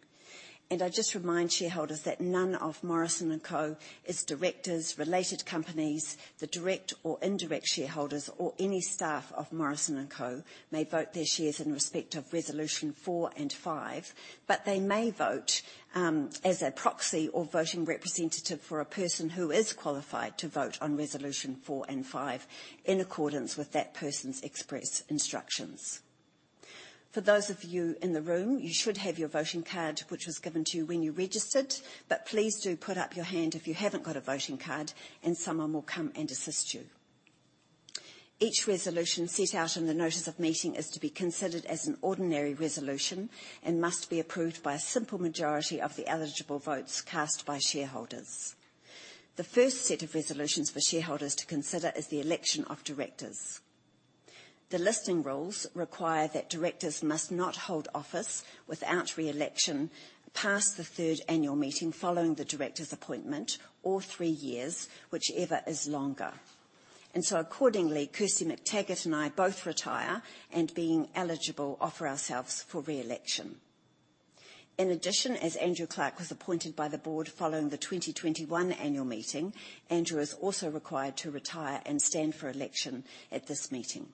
I just remind shareholders that none of Morrison & Co., its directors, related companies, the direct or indirect shareholders, or any staff of Morrison & Co. may vote their shares in respect of resolution four and five, but they may vote as a proxy or voting representative for a person who is qualified to vote on resolution four and five in accordance with that person's express instructions. For those of you in the room, you should have your voting card, which was given to you when you registered, but please do put up your hand if you haven't got a voting card, and someone will come and assist you. Each resolution set out in the notice of meeting is to be considered as an ordinary resolution and must be approved by a simple majority of the eligible votes cast by shareholders. The first set of resolutions for shareholders to consider is the election of directors. The listing rules require that directors must not hold office without re-election past the third annual meeting following the director's appointment or three years, whichever is longer. Accordingly, Kirsty Mactaggart and I both retire, and being eligible, offer ourselves for re-election. In addition, as Andrew Clark was appointed by the board following the 2021 annual meeting, Andrew is also required to retire and stand for election at this meeting.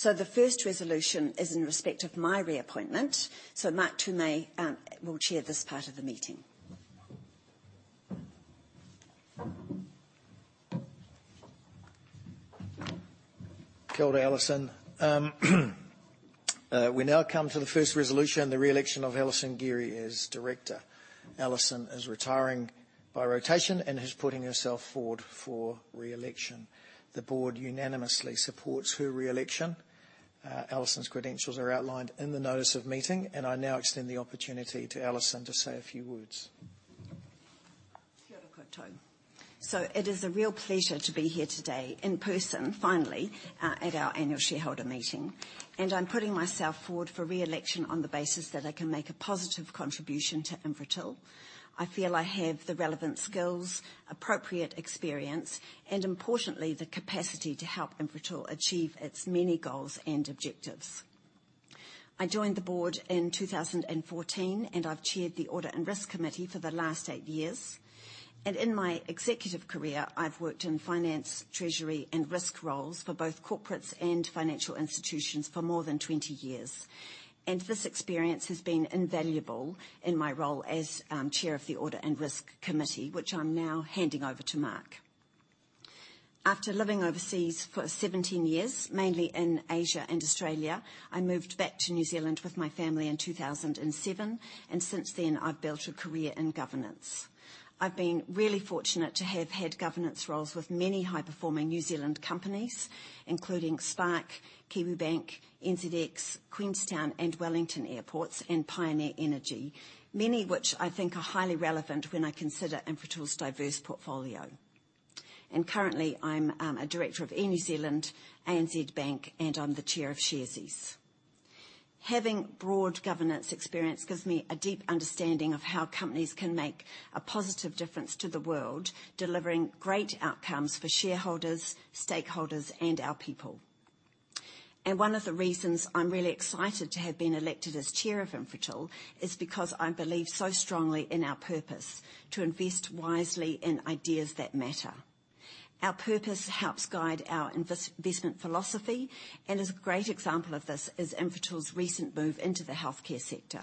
The first resolution is in respect of my reappointment. Mark Tume will chair this part of the meeting. Kia ora, Alison Gerry. We now come to the first resolution, the re-election of Alison Gerry as director. Alison Gerry is retiring by rotation and is putting herself forward for re-election. The board unanimously supports her re-election. Alison Gerry's credentials are outlined in the notice of meeting, and I now extend the opportunity to Alison Gerry to say a few words. Kia ora koutou. It is a real pleasure to be here today in person, finally, at our annual shareholder meeting, and I'm putting myself forward for re-election on the basis that I can make a positive contribution to Infratil. I feel I have the relevant skills, appropriate experience, and importantly, the capacity to help Infratil achieve its many goals and objectives. I joined the board in 2014, and I've chaired the Audit and Risk Committee for the last 8 years. In my executive career, I've worked in finance, treasury, and risk roles for both corporates and financial institutions for more than 20 years. This experience has been invaluable in my role as chair of the Audit and Risk Committee, which I'm now handing over to Mark. After living overseas for 17 years, mainly in Asia and Australia, I moved back to New Zealand with my family in 2007, and since then I've built a career in governance. I've been really fortunate to have had governance roles with many high-performing New Zealand companies, including Spark, Kiwibank, NZX, Queenstown and Wellington Airports, and Pioneer Energy. Many which I think are highly relevant when I consider Infratil's diverse portfolio. Currently, I'm a director of Air New Zealand, ANZ Bank, and I'm the chair of Sharesies. Having broad governance experience gives me a deep understanding of how companies can make a positive difference to the world, delivering great outcomes for shareholders, stakeholders, and our people. One of the reasons I'm really excited to have been elected as chair of Infratil is because I believe so strongly in our purpose, to invest wisely in ideas that matter. Our purpose helps guide our investment philosophy, and as a great example of this is Infratil's recent move into the healthcare sector.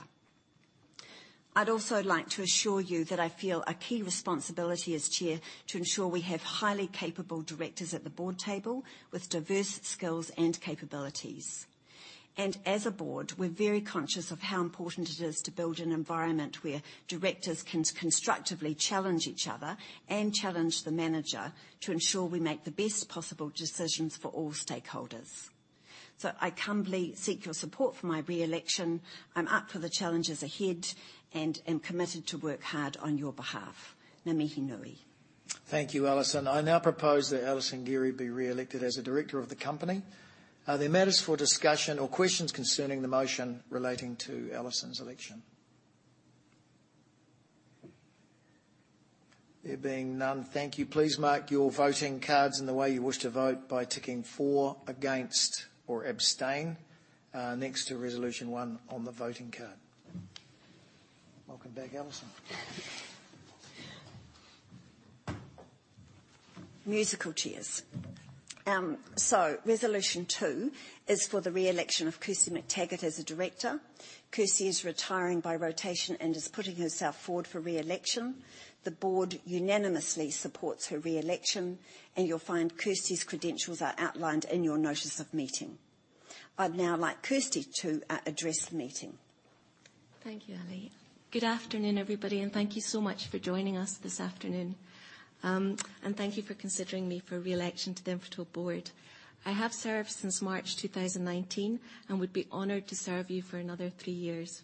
I'd also like to assure you that I feel a key responsibility as chair to ensure we have highly capable directors at the board table with diverse skills and capabilities. As a board, we're very conscious of how important it is to build an environment where directors can constructively challenge each other and challenge the manager to ensure we make the best possible decisions for all stakeholders. I humbly seek your support for my reelection. I'm up for the challenges ahead, and am committed to work hard on your behalf. Ngā mihi nui. Thank you, Alison Gerry. I now propose that Alison Gerry be reelected as a director of the company. Are there matters for discussion or questions concerning the motion relating to Alison Gerry's election? There being none. Thank you. Please mark your voting cards in the way you wish to vote by ticking for, against or abstain next to resolution one on the voting card. Welcome back, Alison Gerry. Musical chairs. Resolution two is for the reelection of Kirsty Mactaggart as a director. Kirsty is retiring by rotation and is putting herself forward for reelection. The board unanimously supports her reelection, and you'll find Kirsty's credentials are outlined in your notice of meeting. I'd now like Kirsty to address the meeting. Thank you, Ali. Good afternoon, everybody, and thank you so much for joining us this afternoon. Thank you for considering me for reelection to the Infratil board. I have served since March 2019 and would be honored to serve you for another three years.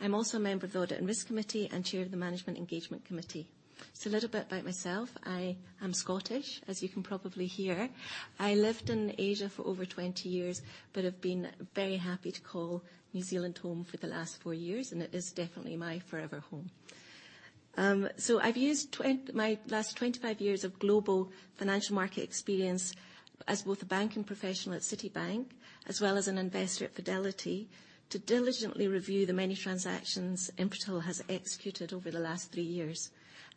I'm also a member of the Audit and Risk Committee and Chair of the Management Engagement Committee. A little bit about myself. I am Scottish, as you can probably hear. I lived in Asia for over 20 years, but have been very happy to call New Zealand home for the last four years, and it is definitely my forever home. I've used my last 25 years of global financial market experience as both a banking professional at Citibank as well as an investor at Fidelity to diligently review the many transactions Infratil has executed over the last three years,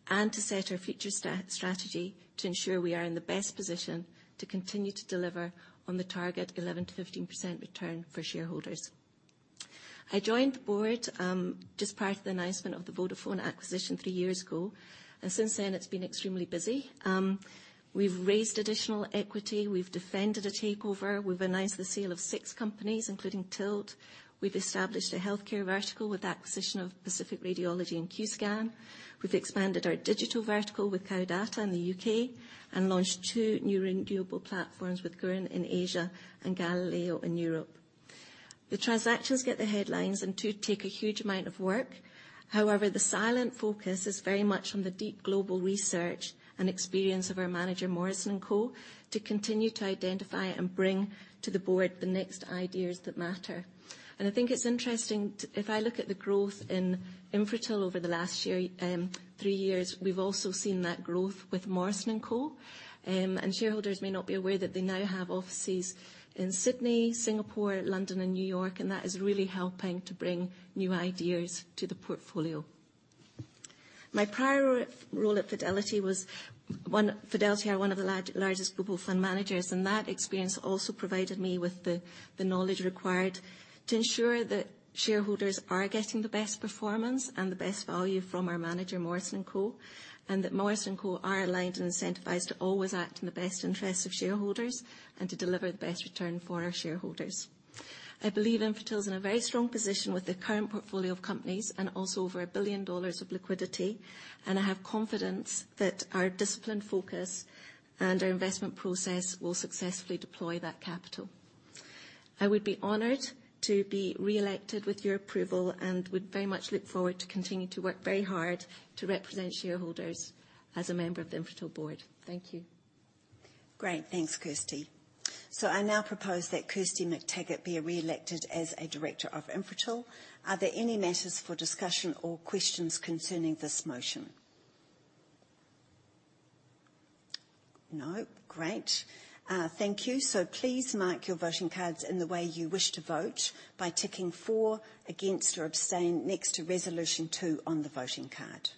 and to set our future strategy to ensure we are in the best position to continue to deliver on the target 11%-15% return for shareholders. I joined the board just prior to the announcement of the Vodafone acquisition three years ago. Since then, it's been extremely busy. We've raised additional equity. We've defended a takeover. We've announced the sale of six companies, including Tilt. We've established a healthcare vertical with acquisition of Pacific Radiology and QScan. We've expanded our digital vertical with Kao Data in the UK and launched two new renewable platforms with Gurīn in Asia and Galileo in Europe. The transactions get the headlines and do take a huge amount of work. However, the silent focus is very much on the deep global research and experience of our manager, Morrison & Co, to continue to identify and bring to the board the next ideas that matter. I think it's interesting, if I look at the growth in Infratil over the last year, three years, we've also seen that growth with Morrison & Co. Shareholders may not be aware that they now have offices in Sydney, Singapore, London, and New York, and that is really helping to bring new ideas to the portfolio. My prior role at Fidelity was one... Fidelity are one of the largest global fund managers, and that experience also provided me with the knowledge required to ensure that shareholders are getting the best performance and the best value from our manager, Morrison & Co. That Morrison & Co. Are aligned and incentivized to always act in the best interests of shareholders and to deliver the best return for our shareholders. I believe Infratil's in a very strong position with the current portfolio of companies and also over 1 billion dollars of liquidity, and I have confidence that our disciplined focus and our investment process will successfully deploy that capital. I would be honored to be reelected with your approval and would very much look forward to continue to work very hard to represent shareholders as a member of the Infratil board. Thank you. Great. Thanks, Kirsty. I now propose that Kirsty Mactaggart be reelected as a director of Infratil. Are there any matters for discussion or questions concerning this motion? No. Great. Thank you. Please mark your voting cards in the way you wish to vote by ticking for, against, or abstain next to resolution two on the voting card.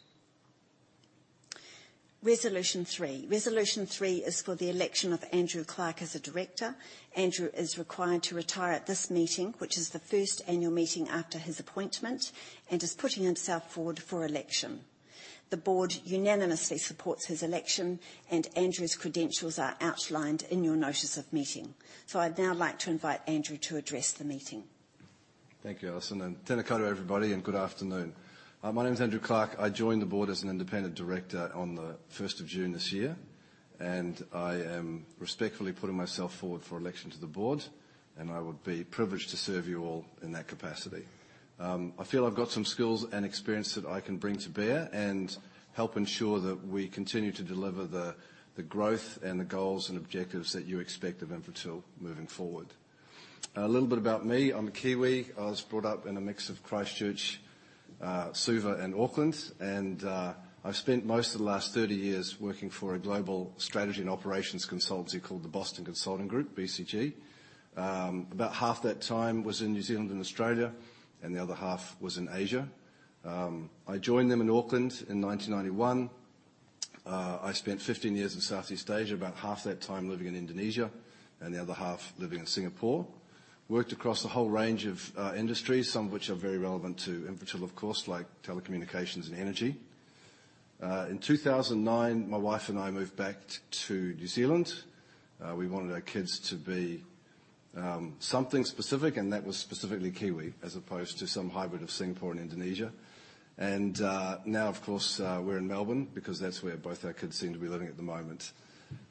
Resolution three. Resolution three is for the election of Andrew Clark as a director. Andrew is required to retire at this meeting, which is the first annual meeting after his appointment, and is putting himself forward for election. The board unanimously supports his election, and Andrew's credentials are outlined in your notice of meeting. I'd now like to invite Andrew to address the meeting. Thank you, Alison Gerry, and tena koutou everybody, and good afternoon. My name is Andrew Clark. I joined the board as an independent director on the 1st of June this year, and I am respectfully putting myself forward for election to the board, and I would be privileged to serve you all in that capacity. I feel I've got some skills and experience that I can bring to bear and help ensure that we continue to deliver the growth and the goals and objectives that you expect of Infratil moving forward. A little bit about me. I'm a Kiwi. I was brought up in a mix of Christchurch, Suva, and Auckland, and I've spent most of the last 30 years working for a global strategy and operations consultancy called the Boston Consulting Group, BCG. About half that time was in New Zealand and Australia, and the other half was in Asia. I joined them in Auckland in 1991. I spent 15 years in Southeast Asia, about half that time living in Indonesia and the other half living in Singapore. Worked across a whole range of industries, some of which are very relevant to Infratil, of course, like telecommunications and energy. In 2009, my wife and I moved back to New Zealand. We wanted our kids to be something specific, and that was specifically Kiwi, as opposed to some hybrid of Singapore and Indonesia. Now of course, we're in Melbourne because that's where both our kids seem to be living at the moment.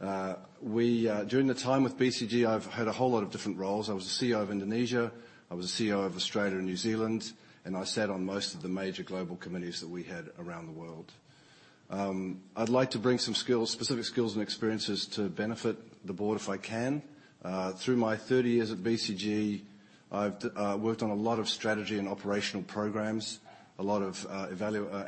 During the time with BCG, I've had a whole lot of different roles. I was the CEO of Indonesia, I was the CEO of Australia and New Zealand, and I sat on most of the major global committees that we had around the world. I'd like to bring some skills, specific skills and experiences to benefit the board if I can. Through my 30 years at BCG, I've worked on a lot of strategy and operational programs, a lot of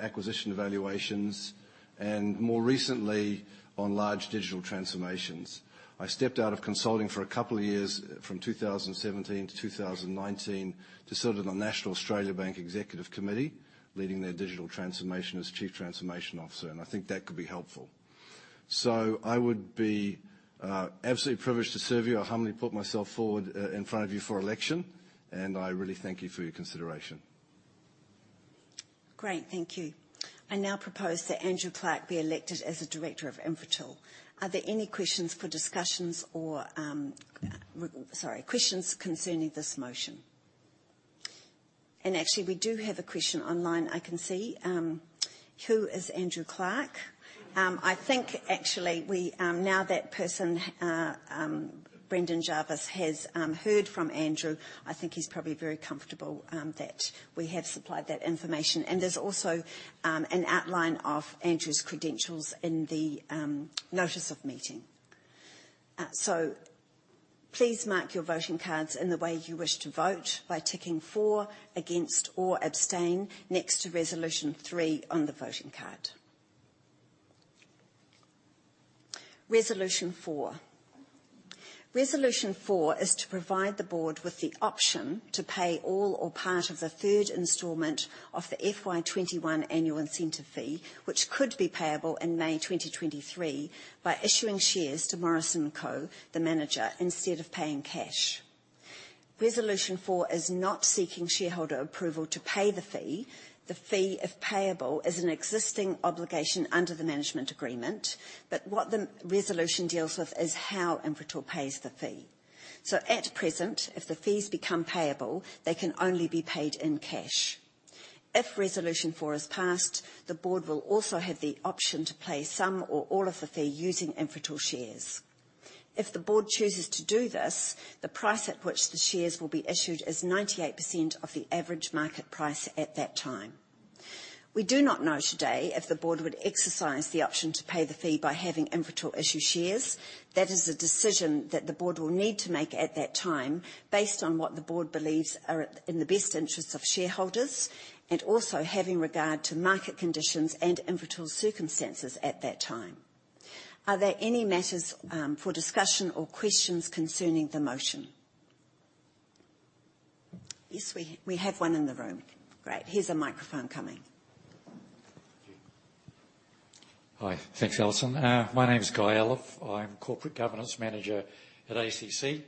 acquisition evaluations, and more recently, on large digital transformations. I stepped out of consulting for a couple of years from 2017 to 2019 to serve on the National Australia Bank Executive Committee, leading their digital transformation as Chief Transformation Officer, and I think that could be helpful. I would be absolutely privileged to serve you. I humbly put myself forward, in front of you for election, and I really thank you for your consideration. Great. Thank you. I now propose that Andrew Clark be elected as a director of Infratil. Are there any questions concerning this motion? Actually, we do have a question online I can see. Who is Andrew Clark? I think actually we now that person Brendan Jarvis has heard from Andrew. I think he's probably very comfortable that we have supplied that information. There's also an outline of Andrew's credentials in the notice of meeting. So please mark your voting cards in the way you wish to vote by ticking for, against, or abstain next to resolution three on the voting card. Resolution four. Resolution four is to provide the board with the option to pay all or part of the third installment of the FY2021 annual incentive fee, which could be payable in May 2023, by issuing shares to Morrison & Co, the manager, instead of paying cash. Resolution four is not seeking shareholder approval to pay the fee. The fee, if payable, is an existing obligation under the management agreement, but what the resolution deals with is how Infratil pays the fee. At present, if the fees become payable, they can only be paid in cash. If resolution four is passed, the board will also have the option to pay some or all of the fee using Infratil shares. If the board chooses to do this, the price at which the shares will be issued is 98% of the average market price at that time. We do not know today if the board would exercise the option to pay the fee by having Infratil issue shares. That is a decision that the board will need to make at that time based on what the board believes are in the best interests of shareholders and also having regard to market conditions and Infratil's circumstances at that time. Are there any matters for discussion or questions concerning the motion? Yes, we have one in the room. Great. Here's a microphone coming. Hi. Thanks, Alison. My name is Guy Elliffe. I'm Corporate Governance Manager at ACC.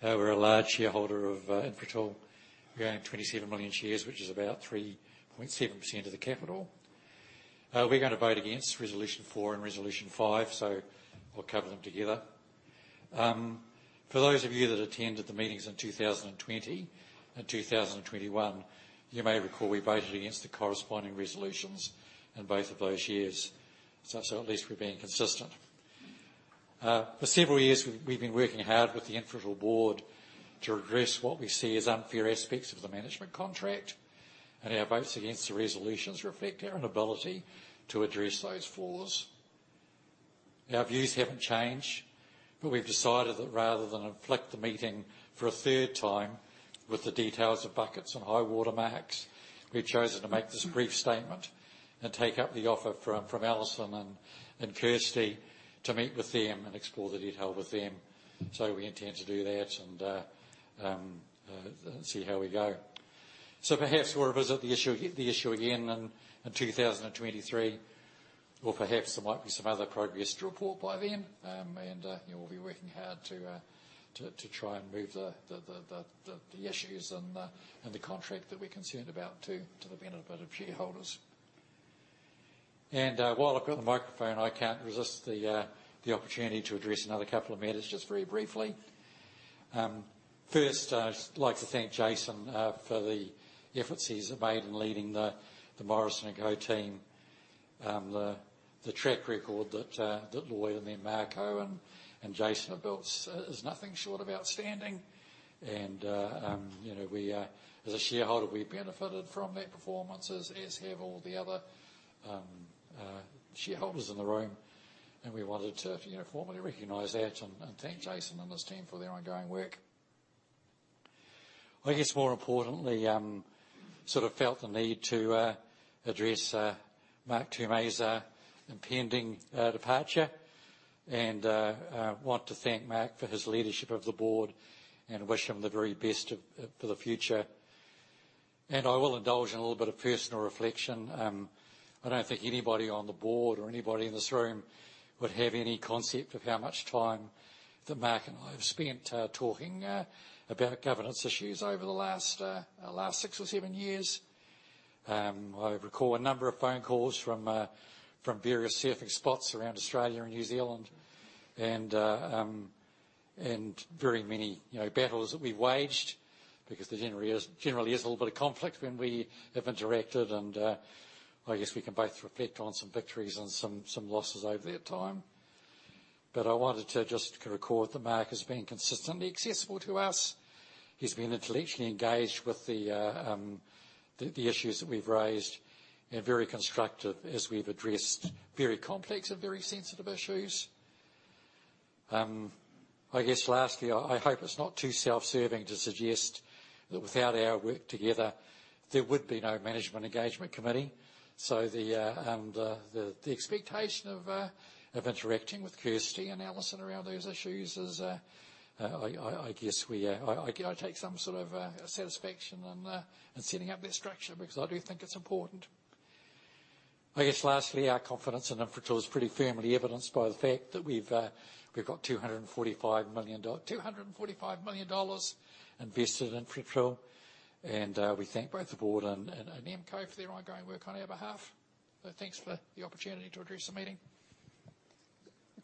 We're a large shareholder of Infratil. We own 27 million shares, which is about 3.7% of the capital. We're gonna vote against Resolution four and Resolution five, so we'll cover them together. For those of you that attended the meetings in 2020 and 2021, you may recall we voted against the corresponding resolutions in both of those years. At least we're being consistent. For several years, we've been working hard with the Infratil board to address what we see as unfair aspects of the management contract, and our votes against the resolutions reflect our inability to address those flaws. Our views haven't changed. We've decided that rather than inflict the meeting for a third time with the details of buckets and high water marks, we've chosen to make this brief statement and take up the offer from Alison and Kirsty to meet with them and explore the detail with them. We intend to do that and see how we go. Perhaps we'll revisit the issue again in 2023, or perhaps there might be some other progress to report by then. You know, we'll be working hard to try and move the issues and the contract that we're concerned about to the benefit of shareholders. While I've got the microphone, I can't resist the opportunity to address another couple of matters just very briefly. First, I'd like to thank Jason for the efforts he's made in leading the Morrison & Co. team. The track record that Lloyd and then Marco and Jason have built is nothing short of outstanding. You know, as a shareholder, we benefited from their performances as have all the other shareholders in the room. We wanted to, you know, formally recognize that and thank Jason and his team for their ongoing work. I guess more importantly, sort of felt the need to address Mark Tume's impending departure. I want to thank Mark for his leadership of the board and wish him the very best of for the future. I will indulge in a little bit of personal reflection. I don't think anybody on the board or anybody in this room would have any concept of how much time that Mark and I have spent talking about governance issues over the last six or seven years. I recall a number of phone calls from various surfing spots around Australia and New Zealand and very many, you know, battles that we've waged because there generally is a little bit of conflict when we have interacted. I guess we can both reflect on some victories and some losses over that time. I wanted to just record that Mark has been consistently accessible to us. He's been intellectually engaged with the issues that we've raised and very constructive as we've addressed very complex and very sensitive issues. I guess lastly, I hope it's not too self-serving to suggest that without our work together, there would be no management engagement committee. The expectation of interacting with Kirsty and Alison around those issues. I guess I take some sort of satisfaction in setting up that structure because I do think it's important. I guess lastly, our confidence in Infratil is pretty firmly evidenced by the fact that we've got 245 million dollars invested in Infratil, and we thank both the board and MCo for their ongoing work on our behalf. Thanks for the opportunity to address the meeting.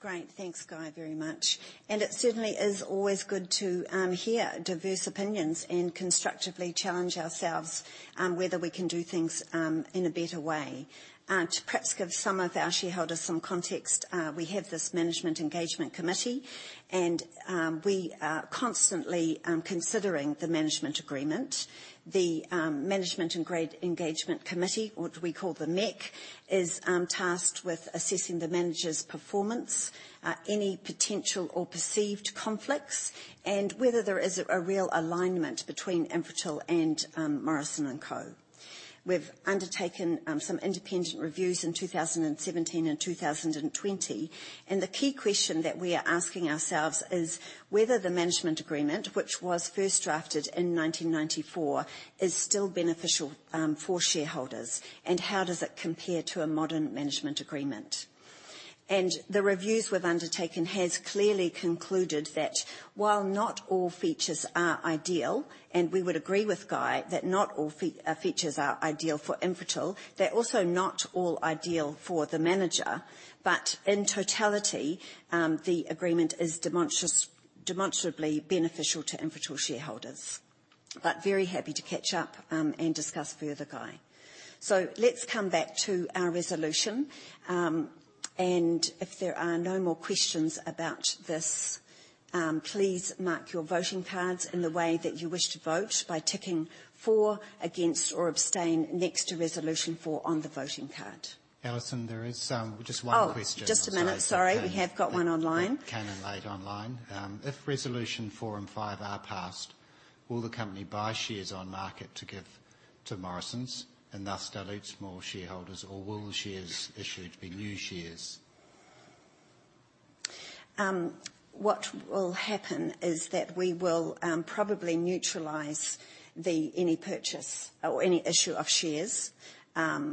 Great. Thanks, Guy, very much. It certainly is always good to hear diverse opinions and constructively challenge ourselves on whether we can do things in a better way. To perhaps give some of our shareholders some context, we have this management engagement committee and we are constantly considering the management agreement. The Management Engagement Committee, or what we call the MEC, is tasked with assessing the manager's performance, any potential or perceived conflicts, and whether there is a real alignment between Infratil and Morrison & Co. We've undertaken some independent reviews in 2017 and 2020, and the key question that we are asking ourselves is whether the management agreement, which was first drafted in 1994, is still beneficial for shareholders, and how does it compare to a modern management agreement. The reviews we've undertaken has clearly concluded that while not all features are ideal, and we would agree with Guy that not all features are ideal for Infratil, they're also not all ideal for the manager. In totality, the agreement is demonstrably beneficial to Infratil shareholders. Very happy to catch up and discuss further, Guy. Let's come back to our resolution. If there are no more questions about this, please mark your voting cards in the way that you wish to vote by ticking for, against, or abstain next to resolution four on the voting card. Alison, there is just one question. Oh, just a minute. Sorry. We have got one online. That came in late online. If Resolution four and Resolution five are passed, will the company buy shares on market to give to Morrison & Co and thus dilute small shareholders, or will the shares issued be new shares? What will happen is that we will probably neutralize any purchase or any issue of shares. Let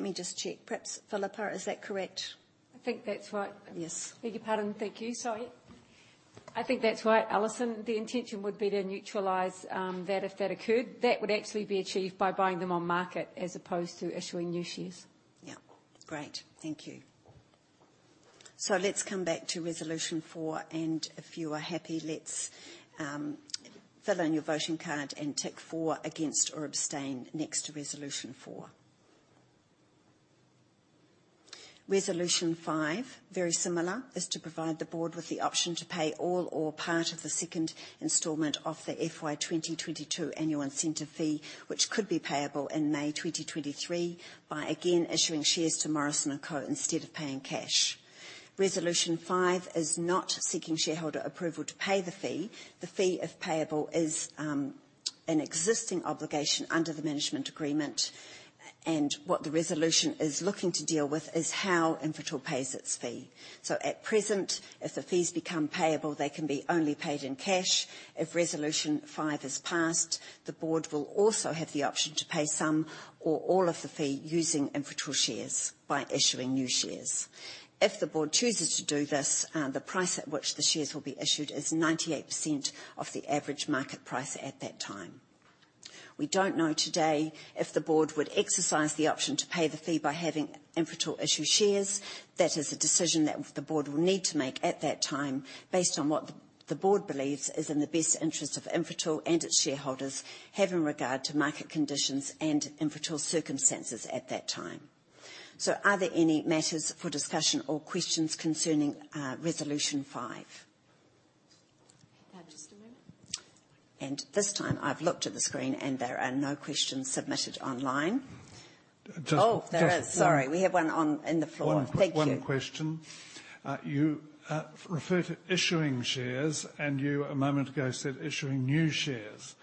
me just check. Perhaps Phillippa, is that correct? I think that's right. Yes. Beg your pardon. Thank you. Sorry. I think that's right, Alison. The intention would be to neutralize that if that occurred. That would actually be achieved by buying them on market as opposed to issuing new shares. Yeah. Great. Thank you. Let's come back to resolution four, and if you are happy, let's fill in your voting card and tick for, against, or abstain next to resolution four. Resolution five, very similar, is to provide the board with the option to pay all or part of the second installment of the FY 2022 annual incentive fee, which could be payable in May 2023 by again issuing shares to Morrison & Co. instead of paying cash. Resolution five is not seeking shareholder approval to pay the fee. The fee, if payable, is an existing obligation under the management agreement, and what the resolution is looking to deal with is how Infratil pays its fee. At present, if the fees become payable, they can be only paid in cash. If Resolution Five is passed, the board will also have the option to pay some or all of the fee using Infratil shares by issuing new shares. If the board chooses to do this, the price at which the shares will be issued is 98% of the average market price at that time. We don't know today if the board would exercise the option to pay the fee by having Infratil issue shares. That is a decision that the board will need to make at that time based on what the board believes is in the best interest of Infratil and its shareholders, having regard to market conditions and Infratil's circumstances at that time. Are there any matters for discussion or questions concerning Resolution Five? Just a moment. This time, I've looked at the screen, and there are no questions submitted online. Just Oh, there is. Sorry. We have one on, in the floor. Thank you. One question. You refer to issuing shares, and you a moment ago said issuing new shares.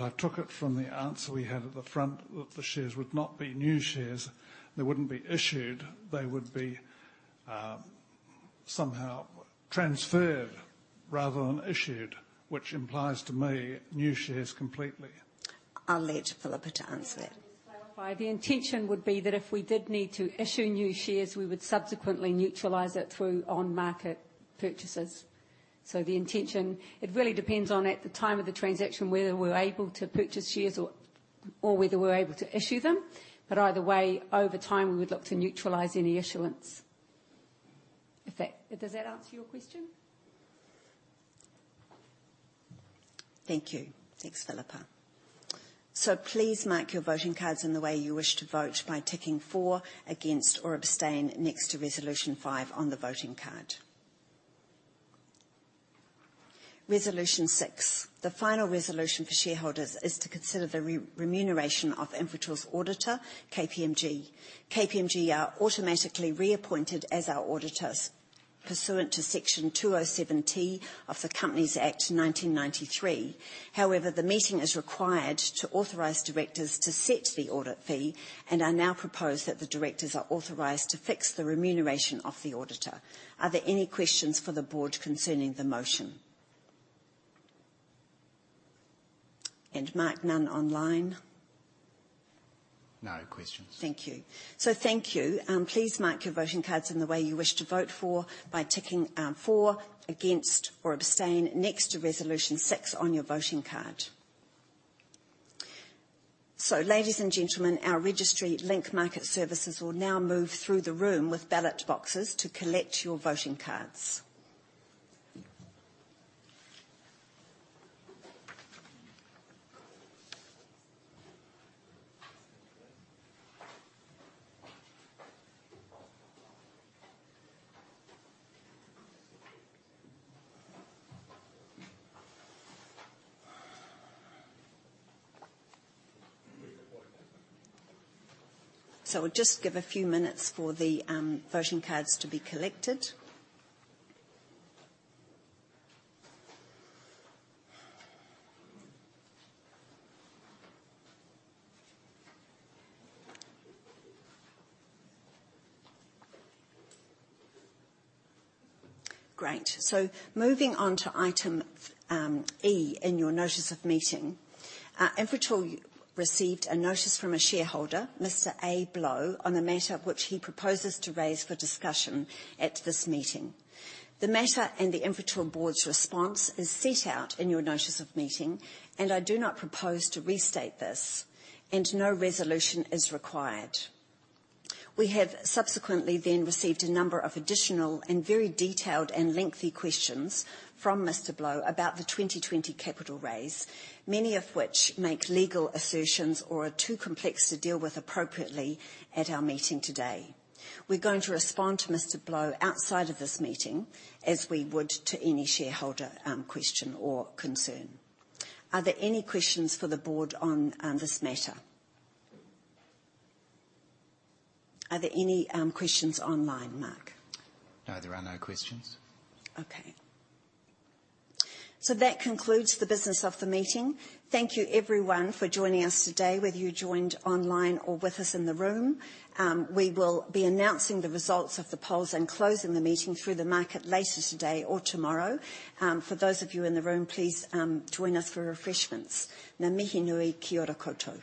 I took it from the answer we had at the front that the shares would not be new shares. They wouldn't be issued. They would be somehow transferred rather than issued, which implies to me new shares completely. I'll let Phillippa to answer that. Maybe I can just clarify. The intention would be that if we did need to issue new shares, we would subsequently neutralize it through on-market purchases. The intention, it really depends on at the time of the transaction, whether we're able to purchase shares or whether we're able to issue them. But either way, over time, we would look to neutralize any issuance. Does that answer your question? Thank you. Thanks, Philippa. Please mark your voting cards in the way you wish to vote by ticking for, against, or abstain next to Resolution Five on the voting card. Resolution Six. The final resolution for shareholders is to consider the remuneration of Infratil's auditor, KPMG. KPMG are automatically reappointed as our auditors pursuant to Section 207T of the Companies Act 1993. However, the meeting is required to authorize directors to set the audit fee, and it is now proposed that the directors are authorized to fix the remuneration of the auditor. Are there any questions for the board concerning the motion? Mark, none online. No questions. Thank you. Thank you. Please mark your voting cards in the way you wish to vote for by ticking, for, against, or abstain next to Resolution Six on your voting card. Ladies and gentlemen, our registry, Link Market Services will now move through the room with ballot boxes to collect your voting cards. We'll just give a few minutes for the voting cards to be collected. Great. Moving on to item E in your notice of meeting. Infratil received a notice from a shareholder, Mr. A. Blow, on a matter which he proposes to raise for discussion at this meeting. The matter and the Infratil board's response is set out in your notice of meeting, and I do not propose to restate this, and no resolution is required. We have subsequently then received a number of additional and very detailed and lengthy questions from Mr. A. Blow about the 2020 capital raise, many of which make legal assertions or are too complex to deal with appropriately at our meeting today. We're going to respond to Mr. A. Blow outside of this meeting as we would to any shareholder question or concern. Are there any questions for the board on this matter? Are there any questions online, Mark? No, there are no questions. Okay. That concludes the business of the meeting. Thank you everyone for joining us today, whether you joined online or with us in the room. We will be announcing the results of the polls and closing the meeting through the market later today or tomorrow. For those of you in the room, please, join us for refreshments. „Ngā mihi nui, kia ora koutou.